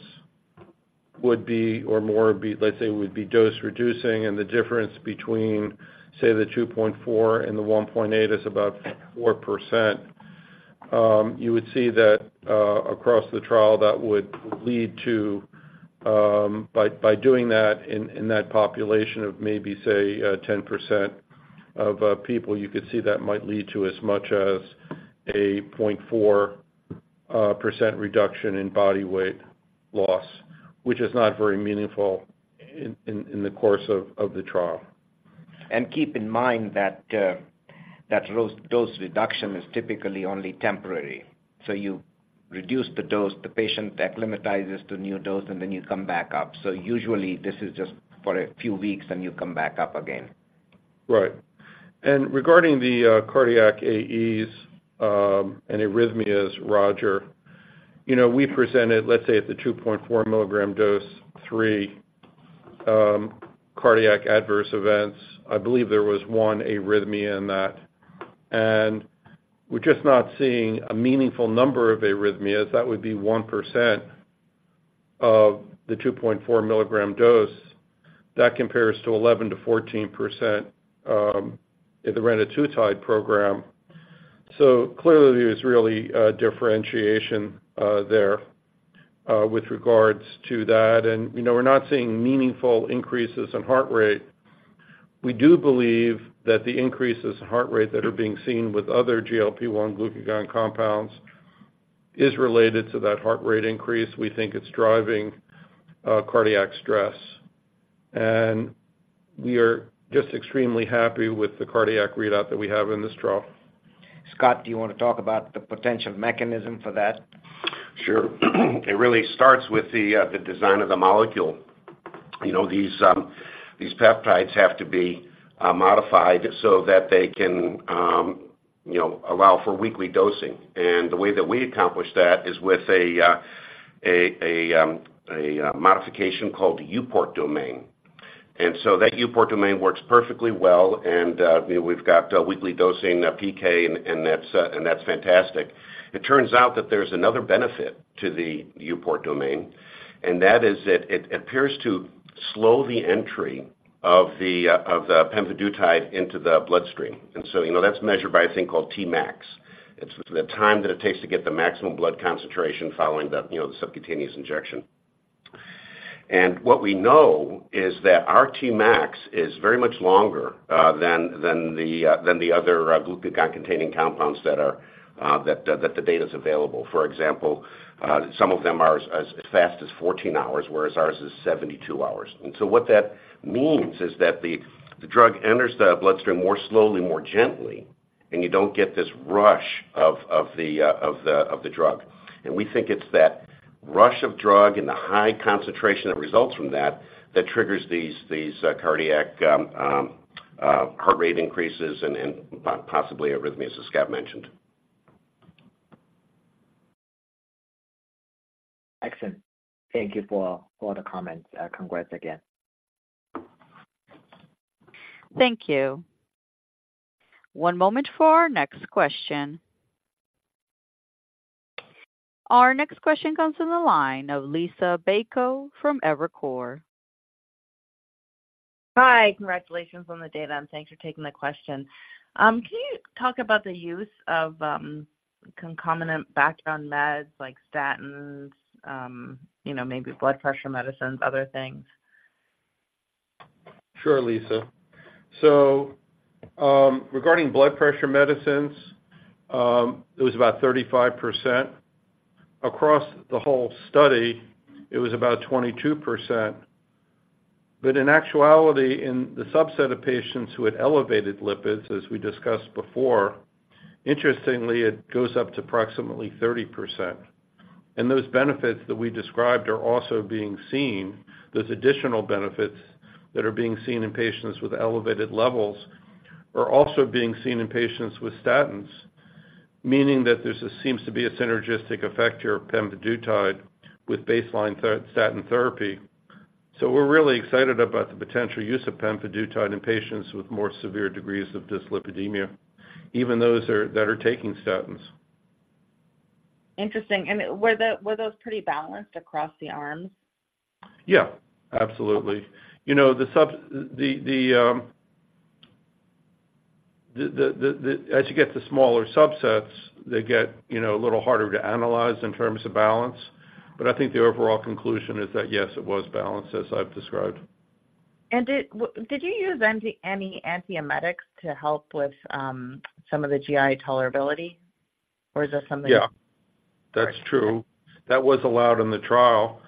would be, or more, be, let's say, would be dose reducing, and the difference between, say, the 2.4 and the 1.8 is about 4%, you would see that across the trial, that would lead to, by doing that in that population of maybe, say, 10% of people, you could see that might lead to as much as a 0.4% reduction in body weight loss, which is not very meaningful in the course of the trial. Keep in mind that that dose, dose reduction is typically only temporary. So you reduce the dose, the patient acclimatizes to new dose, and then you come back up. So usually, this is just for a few weeks, and you come back up again. Right. Regarding the cardiac AEs and arrhythmias, Roger, you know, we presented, let's say at the 2.4 milligram dose, three cardiac adverse events. I believe there was one arrhythmia in that. And we're just not seeing a meaningful number of arrhythmias. That would be 1% of the 2.4 milligram dose. That compares to 11%-14% in the retatrutide program. So clearly, there's really a differentiation there with regards to that. And, you know, we're not seeing meaningful increases in heart rate. We do believe that the increases in heart rate that are being seen with other GLP-1 glucagon compounds is related to that heart rate increase. We think it's driving cardiac stress, and we are just extremely happy with the cardiac readout that we have in this trial. Scot, do you want to talk about the potential mechanism for that? Sure. It really starts with the design of the molecule. You know, these peptides have to be modified so that they can, you know, allow for weekly dosing. And the way that we accomplish that is with a... a modification called EuPort domain. And so that EuPort domain works perfectly well, and we've got weekly dosing, PK, and that's fantastic. It turns out that there's another benefit to the EuPort domain, and that is that it appears to slow the entry of the of the pemvidutide into the bloodstream. And so, you know, that's measured by a thing called Tmax. It's the time that it takes to get the maximum blood concentration following the, you know, the subcutaneous injection. And what we know is that our Tmax is very much longer than the other glucagon-containing compounds that the data is available. For example, some of them are as fast as 14 hours, whereas ours is 72 hours. What that means is that the drug enters the bloodstream more slowly, more gently, and you don't get this rush of the drug. We think it's that rush of drug and the high concentration that results from that that triggers these cardiac heart rate increases and possibly arrhythmias, as Scott mentioned. Excellent. Thank you for the comments. Congrats again. Thank you. One moment for our next question. Our next question comes from the line of Lisa Bayko from Evercore. Hi, congratulations on the data, and thanks for taking the question. Can you talk about the use of concomitant background meds like statins, you know, maybe blood pressure medicines, other things? Sure, Lisa. So, regarding blood pressure medicines, it was about 35%. Across the whole study, it was about 22%. But in actuality, in the subset of patients who had elevated lipids, as we discussed before, interestingly, it goes up to approximately 30%. And those benefits that we described are also being seen. Those additional benefits that are being seen in patients with elevated levels are also being seen in patients with statins, meaning that there seems to be a synergistic effect here of pemvidutide with baseline statin therapy. So we're really excited about the potential use of pemvidutide in patients with more severe degrees of dyslipidemia, even those that are taking statins. Interesting. And were those pretty balanced across the arms? Yeah, absolutely. You know, as you get to smaller subsets, they get, you know, a little harder to analyze in terms of balance. But I think the overall conclusion is that, yes, it was balanced, as I've described. Did you use any antiemetics to help with some of the GI tolerability, or is that something- Yeah, that's true. That was allowed in the trial,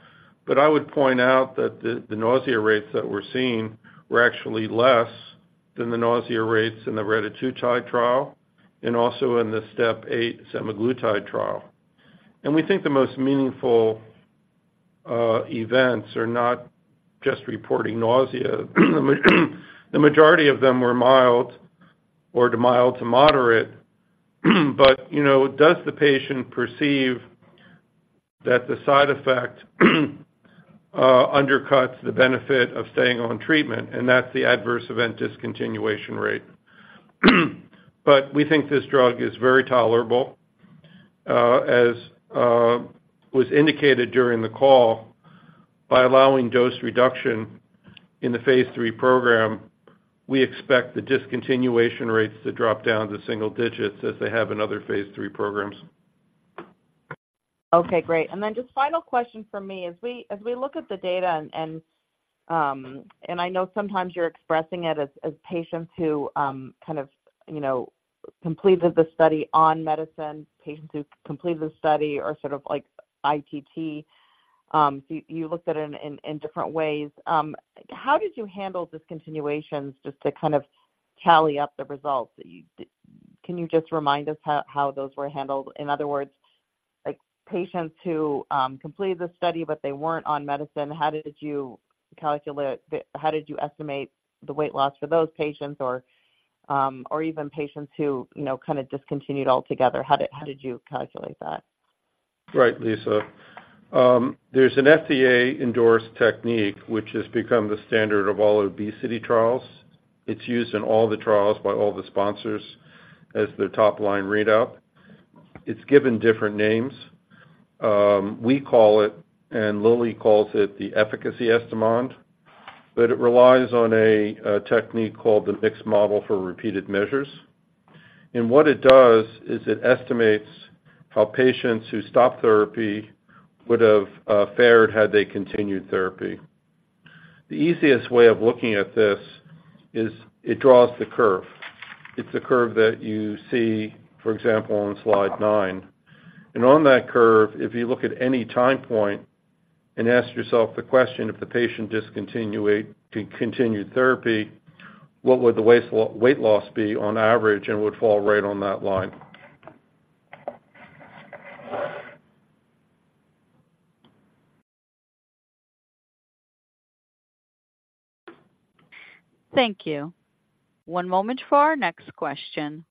but I would point out that the nausea rates that we're seeing were actually less than the nausea rates in the retatrutide trial and also in the Step 8 semaglutide trial. And we think the most meaningful events are not just reporting nausea. The majority of them were mild or mild to moderate. But, you know, does the patient perceive that the side effect undercuts the benefit of staying on treatment? And that's the adverse event discontinuation rate. But we think this drug is very tolerable, as was indicated during the call. By allowing dose reduction in the phase III program, we expect the discontinuation rates to drop down to single digits as they have in other phase III programs. Okay, great. And then just final question from me. As we look at the data and, and I know sometimes you're expressing it as patients who kind of, you know, completed the study on medicine, patients who completed the study are sort of like ITT. So you looked at it in different ways. How did you handle discontinuations, just to kind of tally up the results that you... can you just remind us how those were handled? In other words, like, patients who completed the study, but they weren't on medicine, how did you calculate the, how did you estimate the weight loss for those patients or even patients who, you know, kind of discontinued altogether? How did you calculate that? Right, Lisa. There's an FDA-endorsed technique, which has become the standard of all obesity trials. It's used in all the trials by all the sponsors as their top-line readout. It's given different names. We call it, and Lilly calls it the efficacy estimand, but it relies on a technique called the mixed model for repeated measures. And what it does is it estimates how patients who stop therapy would have fared had they continued therapy. The easiest way of looking at this is it draws the curve. It's a curve that you see, for example, on slide nine. And on that curve, if you look at any time point and ask yourself the question, if the patient continued therapy, what would the weight loss be on average, and it would fall right on that line. ... Thank you. One moment for our next question.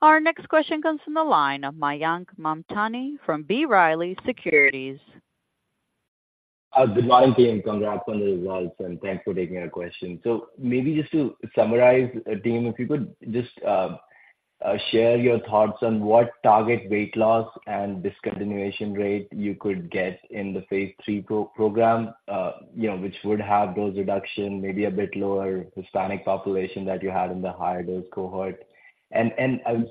Our next question comes from the line of Mayank Mamtani from B. Riley Securities. Good morning, team. Congrats on the results, and thanks for taking our question. So maybe just to summarize, team, if you could just share your thoughts on what target weight loss and discontinuation rate you could get in the phase 3 program, you know, which would have dose reduction, maybe a bit lower Hispanic population that you had in the higher dose cohort. And I was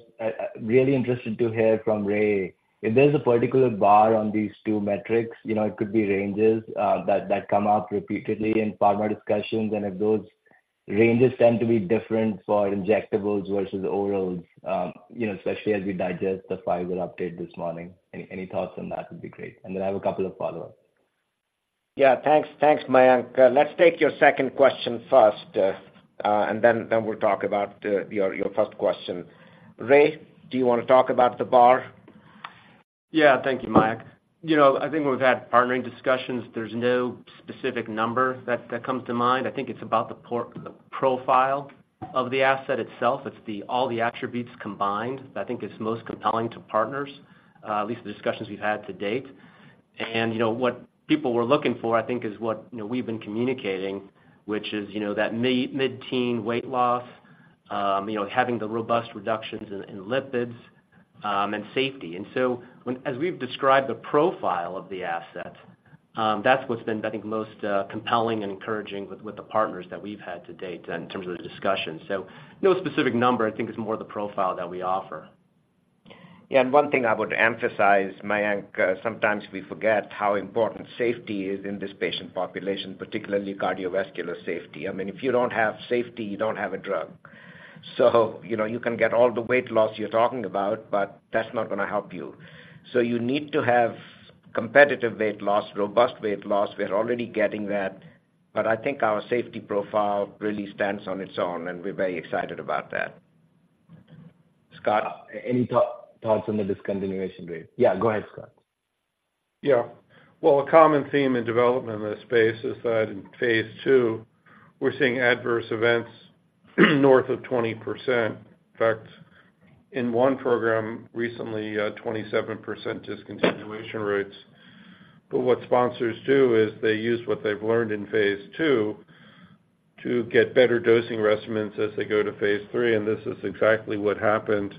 really interested to hear from Ray, if there's a particular bar on these two metrics, you know, it could be ranges that come up repeatedly in pharma discussions, and if those ranges tend to be different for injectables versus orals, you know, especially as we digest the Pfizer update this morning. Any thoughts on that would be great. And then I have a couple of follow-ups. Yeah. Thanks. Thanks, Mayank. Let's take your second question first, and then we'll talk about your first question. Ray, do you wanna talk about the bar? Yeah. Thank you, Mayank. You know, I think we've had partnering discussions. There's no specific number that comes to mind. I think it's about the profile of the asset itself. It's the, all the attributes combined, I think, is most compelling to partners, at least the discussions we've had to date. And, you know, what people were looking for, I think, is what, you know, we've been communicating, which is, you know, that mid, mid-teen weight loss, you know, having the robust reductions in lipids, and safety. And so as we've described the profile of the asset, that's what's been, I think, most compelling and encouraging with the partners that we've had to date in terms of the discussion. So no specific number. I think it's more the profile that we offer. Yeah, and one thing I would emphasize, Mayank, sometimes we forget how important safety is in this patient population, particularly cardiovascular safety. I mean, if you don't have safety, you don't have a drug. So, you know, you can get all the weight loss you're talking about, but that's not gonna help you. So you need to have competitive weight loss, robust weight loss. We're already getting that, but I think our safety profile really stands on its own, and we're very excited about that. Scott, any thoughts on the discontinuation rate? Yeah, go ahead, Scott. Yeah. Well, a common theme in development in this space is that in phase 2, we're seeing adverse events north of 20%. In fact, in one program recently, 27% discontinuation rates. But what sponsors do is they use what they've learned in phase 2 to get better dosing regimens as they go to phase 3, and this is exactly what happened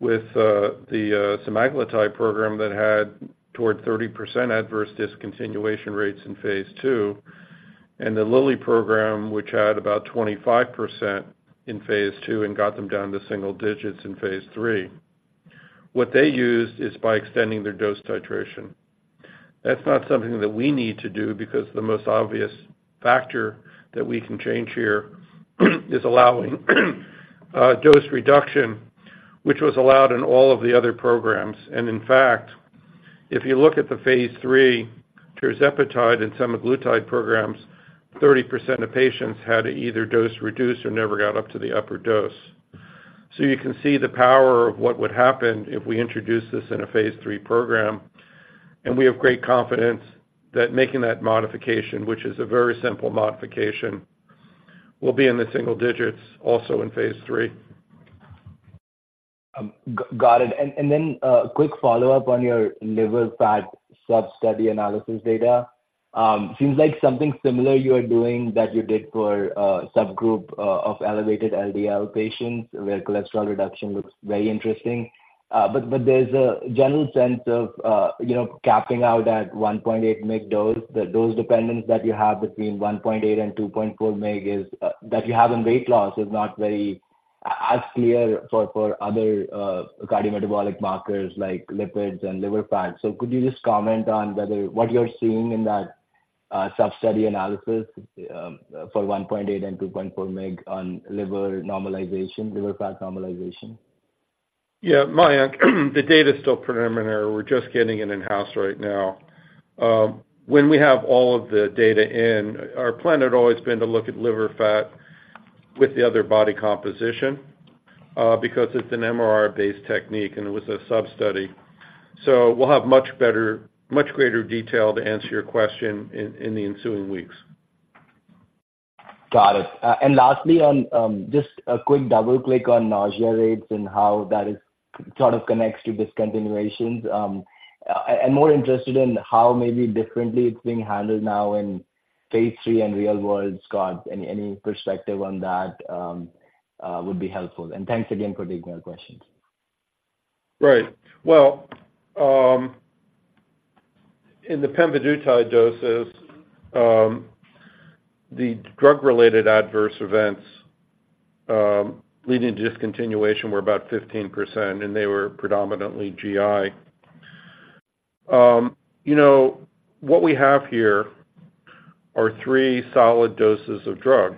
with the semaglutide program that had toward 30% adverse discontinuation rates in phase 2, and the Lilly program, which had about 25% in phase 2 and got them down to single digits in phase 3. What they used is by extending their dose titration. That's not something that we need to do because the most obvious factor that we can change here is allowing dose reduction, which was allowed in all of the other programs. And in fact, if you look at the phase 3 tirzepatide and semaglutide programs, 30% of patients had to either dose reduce or never got up to the upper dose. So you can see the power of what would happen if we introduce this in a phase 3 program, and we have great confidence that making that modification, which is a very simple modification, will be in the single digits also in phase 3. Got it. And then, a quick follow-up on your liver fat substudy analysis data. Seems like something similar you are doing that you did for a subgroup of elevated LDL patients, where cholesterol reduction looks very interesting. But there's a general sense of, you know, capping out at 1.8 mg dose. The dose dependence that you have between 1.8 and 2.4 mg is that you have in weight loss is not very as clear for other cardiometabolic markers like lipids and liver fat. So could you just comment on whether... what you're seeing in that substudy analysis for 1.8 and 2.4 mg on liver normalization, liver fat normalization? Yeah, Mayank, the data is still preliminary. We're just getting it in-house right now. When we have all of the data in, our plan had always been to look at liver fat with the other body composition, because it's an MRI-based technique, and it was a substudy. So we'll have much better, much greater detail to answer your question in the ensuing weeks. Got it. And lastly, on just a quick double click on nausea rates and how that is, sort of connects to discontinuations. I'm more interested in how maybe differently it's being handled now in phase 3 and real-world, Scott. Any perspective on that would be helpful. And thanks again for taking our questions. Right. Well, in the pemvidutide doses, the drug-related adverse events, leading to discontinuation were about 15%, and they were predominantly GI. You know, what we have here are three solid doses of drug.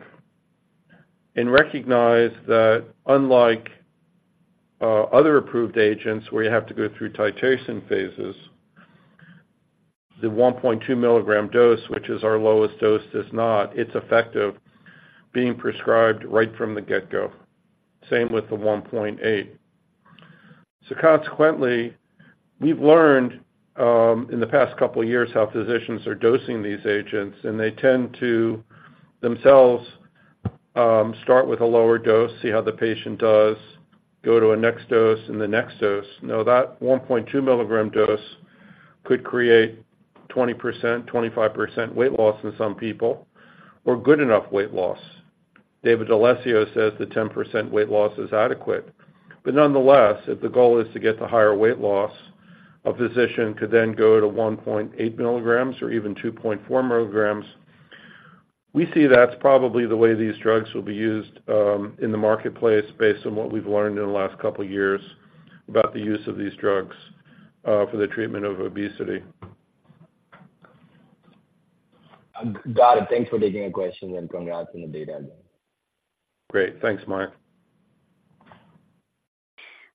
And recognize that unlike other approved agents, where you have to go through titration phases, the 1.2 mg dose, which is our lowest dose, does not. It's effective being prescribed right from the get-go. Same with the 1.8.... So consequently, we've learned, in the past couple of years how physicians are dosing these agents, and they tend to themselves, start with a lower dose, see how the patient does, go to a next dose, and the next dose. Now, that 1.2 mg dose could create 20%, 25% weight loss in some people, or good enough weight loss. David D'Alessio says the 10% weight loss is adequate, but nonetheless, if the goal is to get to higher weight loss, a physician could then go to 1.8 mg or even 2.4 mg. We see that's probably the way these drugs will be used, in the marketplace, based on what we've learned in the last couple of years about the use of these drugs, for the treatment of obesity. Got it. Thanks for taking the question, and congrats on the data again. Great. Thanks, Mark.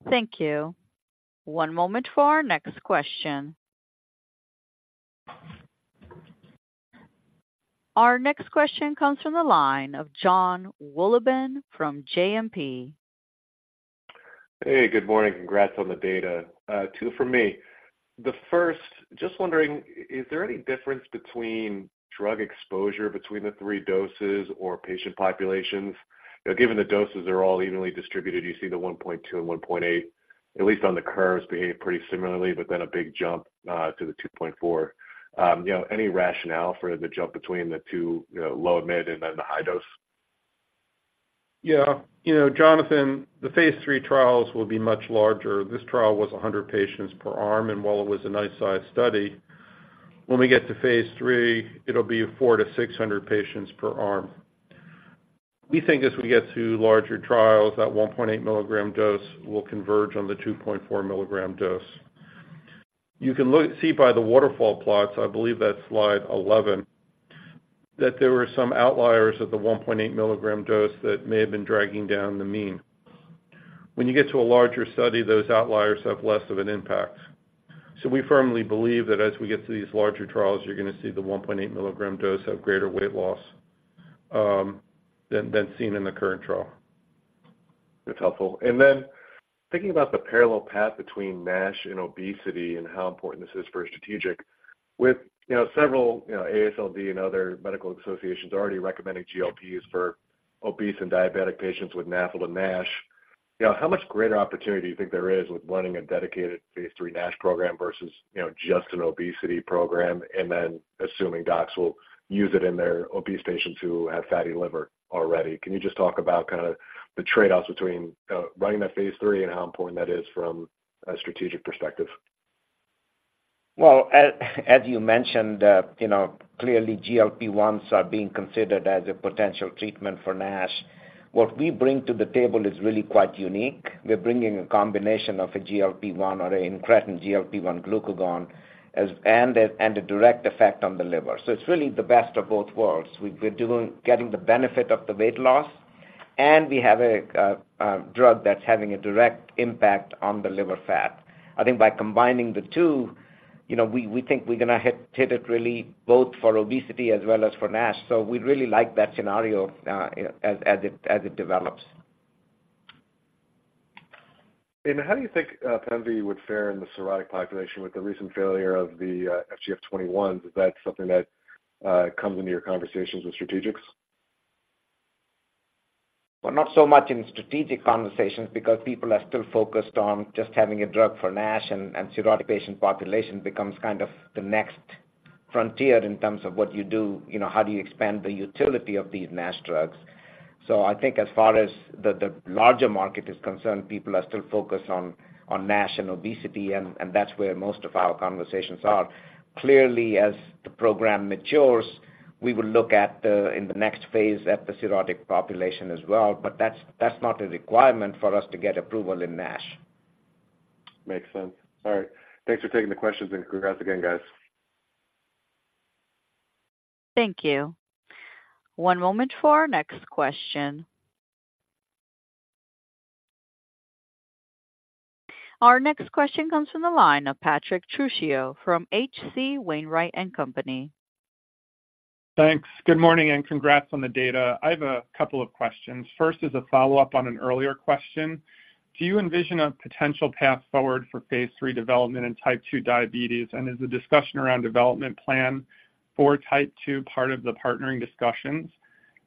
Thank you. One moment for our next question. Our next question comes from the line of John Wolleben from JMP. Hey, good morning. Congrats on the data. Two from me. The first, just wondering, is there any difference between drug exposure between the three doses or patient populations? You know, given the doses are all evenly distributed, you see the 1.2 and 1.8, at least on the curves, behave pretty similarly, but then a big jump to the 2.4. You know, any rationale for the jump between the two, you know, low, mid, and then the high dose? Yeah. You know, Jonathan, the phase 3 trials will be much larger. This trial was 100 patients per arm, and while it was a nice size study, when we get to phase 3, it'll be 400-600 patients per arm. We think as we get to larger trials, that 1.8 mg dose will converge on the 2.4 mg dose. You can look... See by the waterfall plots, I believe that's slide 11, that there were some outliers at the 1.8 milligram dose that may have been dragging down the mean. When you get to a larger study, those outliers have less of an impact. So we firmly believe that as we get to these larger trials, you're gonna see the 1.8 mg dose have greater weight loss than seen in the current trial. That's helpful. Then thinking about the parallel path between NASH and obesity and how important this is for strategic, with, you know, several, you know, AASLD and other medical associations already recommending GLPs for obese and diabetic patients with NAFL and NASH, you know, how much greater opportunity do you think there is with running a dedicated phase 3 NASH program versus, you know, just an obesity program, and then assuming docs will use it in their obese patients who have fatty liver already? Can you just talk about kind of the trade-offs between running that phase 3 and how important that is from a strategic perspective? Well, as you mentioned, you know, clearly GLP-1s are being considered as a potential treatment for NASH. What we bring to the table is really quite unique. We're bringing a combination of a GLP-1 or an incretin GLP-1 glucagon, and a direct effect on the liver. So it's really the best of both worlds. We're getting the benefit of the weight loss, and we have a drug that's having a direct impact on the liver fat. I think by combining the two, you know, we think we're gonna hit it really both for obesity as well as for NASH, so we really like that scenario, as it develops. How do you think pemvidutide would fare in the cirrhotic population with the recent failure of the FGF 21? Is that something that comes into your conversations with strategics? Well, not so much in strategic conversations because people are still focused on just having a drug for NASH, and, and cirrhotic patient population becomes kind of the next frontier in terms of what you do, you know, how do you expand the utility of these NASH drugs? So I think as far as the, the larger market is concerned, people are still focused on, on NASH and obesity, and, and that's where most of our conversations are. Clearly, as the program matures, we will look at the, in the next phase, at the cirrhotic population as well, but that's, that's not a requirement for us to get approval in NASH. Makes sense. All right. Thanks for taking the questions, and congrats again, guys. Thank you. One moment for our next question. Our next question comes from the line of Patrick Trucchio from H.C. Wainwright & Company. Thanks. Good morning, and congrats on the data. I have a couple of questions. First is a follow-up on an earlier question. Do you envision a potential path forward for phase 3 development in type 2 diabetes? And is the discussion around development plan for type 2, part of the partnering discussions?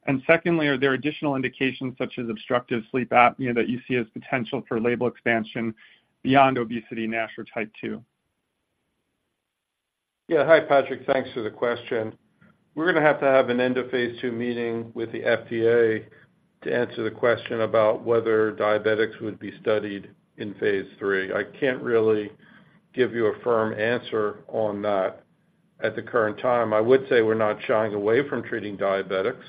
And secondly, are there additional indications, such as obstructive sleep apnea, that you see as potential for label expansion beyond obesity, NASH, or type 2? Yeah. Hi, Patrick. Thanks for the question. We're gonna have to have an end-of-phase two meeting with the FDA to answer the question about whether diabetics would be studied in phase three. I can't really give you a firm answer on that at the current time. I would say we're not shying away from treating diabetics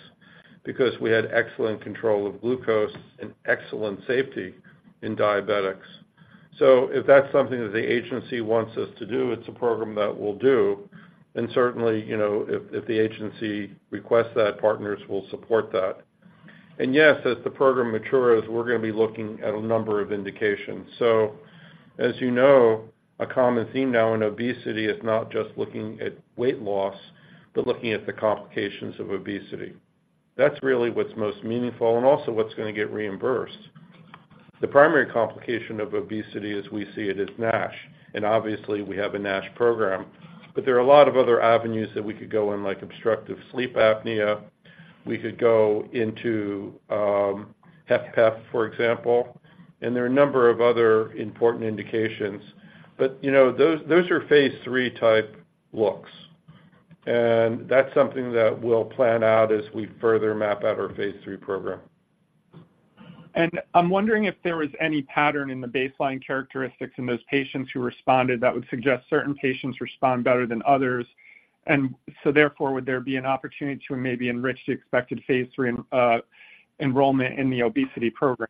because we had excellent control of glucose and excellent safety in diabetics. So if that's something that the agency wants us to do, it's a program that we'll do. And certainly, you know, if, if the agency requests that, partners will support that. And yes, as the program matures, we're gonna be looking at a number of indications. So, as you know, a common theme now in obesity is not just looking at weight loss, but looking at the complications of obesity.... That's really what's most meaningful and also what's gonna get reimbursed. The primary complication of obesity, as we see it, is NASH, and obviously, we have a NASH program. But there are a lot of other avenues that we could go in, like obstructive sleep apnea. We could go into, HFpEF, for example, and there are a number of other important indications. But, you know, those, those are phase 3 type looks, and that's something that we'll plan out as we further map out our phase 3 program. I'm wondering if there was any pattern in the baseline characteristics in those patients who responded, that would suggest certain patients respond better than others. So therefore, would there be an opportunity to maybe enrich the expected phase 3 enrollment in the obesity program?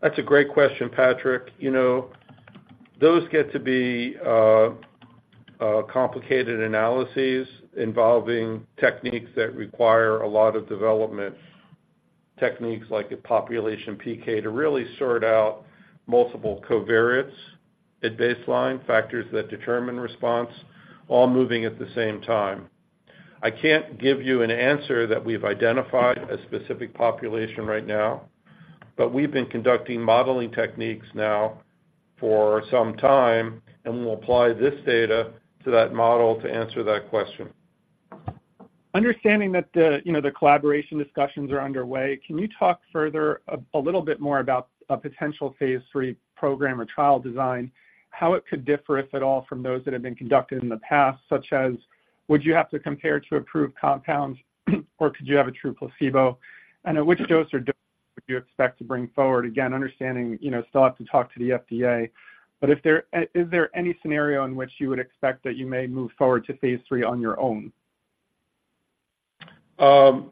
That's a great question, Patrick. You know, those get to be complicated analyses involving techniques that require a lot of development, techniques like a population PK, to really sort out multiple covariates at baseline, factors that determine response, all moving at the same time. I can't give you an answer that we've identified a specific population right now, but we've been conducting modeling techniques now for some time, and we'll apply this data to that model to answer that question. Understanding that, you know, the collaboration discussions are underway, can you talk further a little bit more about a potential phase 3 program or trial design? How it could differ, if at all, from those that have been conducted in the past, such as would you have to compare to approved compounds, or could you have a true placebo? And at which dose or dose would you expect to bring forward, again, understanding, you know, still have to talk to the FDA. But if there is there any scenario in which you expect that you may move forward to phase 3 on your own? I'll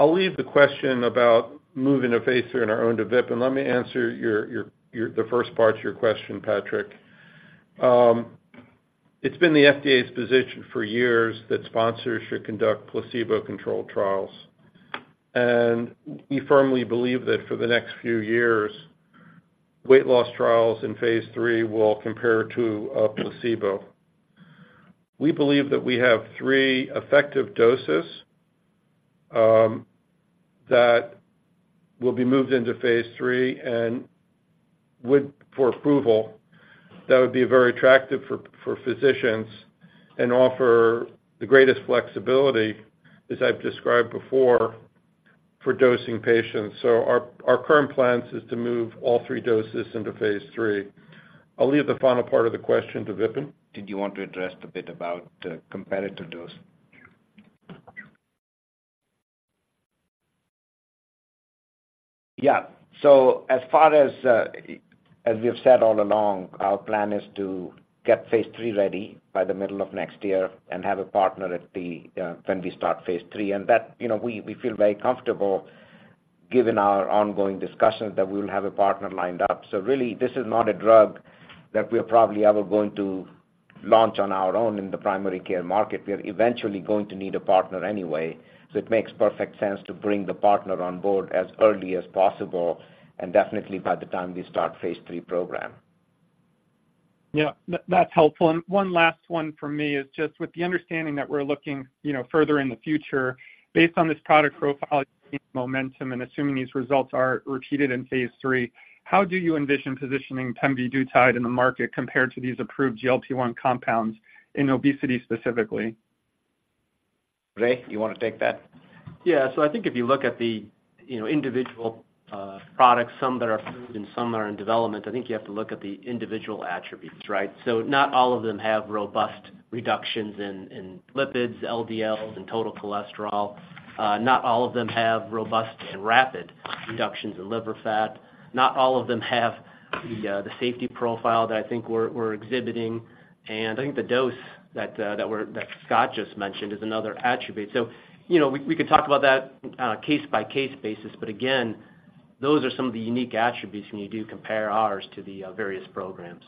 leave the question about moving to phase 3 on our own to Vipin. Let me answer the first part of your question, Patrick. It's been the FDA's position for years that sponsors should conduct placebo-controlled trials. We firmly believe that for the next few years, weight loss trials in phase 3 will compare to a placebo. We believe that we have three effective doses that will be moved into phase 3 and would, for approval, that would be very attractive for physicians and offer the greatest flexibility, as I've described before, for dosing patients. Our current plan is to move all three doses into phase 3. I'll leave the final part of the question to Vipin. Did you want to address the bit about comparative dose? Yeah. So as far as, as we've said all along, our plan is to get Phase 3 ready by the middle of next year and have a partner at the, when we start Phase 3, and that, you know, we feel very comfortable, given our ongoing discussions, that we'll have a partner lined up. So really, this is not a drug that we are probably ever going to launch on our own in the primary care market. We are eventually going to need a partner anyway, so it makes perfect sense to bring the partner on board as early as possible, and definitely by the time we start Phase 3 program. Yeah, that's helpful. One last one for me is just with the understanding that we're looking, you know, further in the future. Based on this product profile momentum, and assuming these results are repeated in phase 3, how do you envision positioning pemvidutide in the market compared to these approved GLP-1 compounds in obesity specifically? Ray, you want to take that? Yeah. So I think if you look at the, you know, individual products, some that are approved and some are in development, I think you have to look at the individual attributes, right? So not all of them have robust reductions in lipids, LDL, and total cholesterol. Not all of them have robust and rapid reductions in liver fat. Not all of them have the safety profile that I think we're exhibiting. And I think the dose that Scott just mentioned is another attribute. So, you know, we could talk about that on a case-by-case basis. But again, those are some of the unique attributes when you do compare ours to the various programs.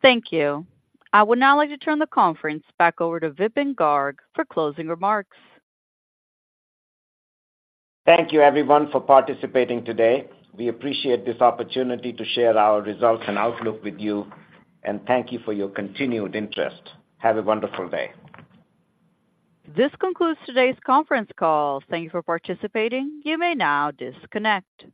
Thank you. I would now like to turn the conference back over to Vipin Garg for closing remarks. Thank you, everyone, for participating today. We appreciate this opportunity to share our results and outlook with you, and thank you for your continued interest. Have a wonderful day. This concludes today's conference call. Thank you for participating. You may now disconnect.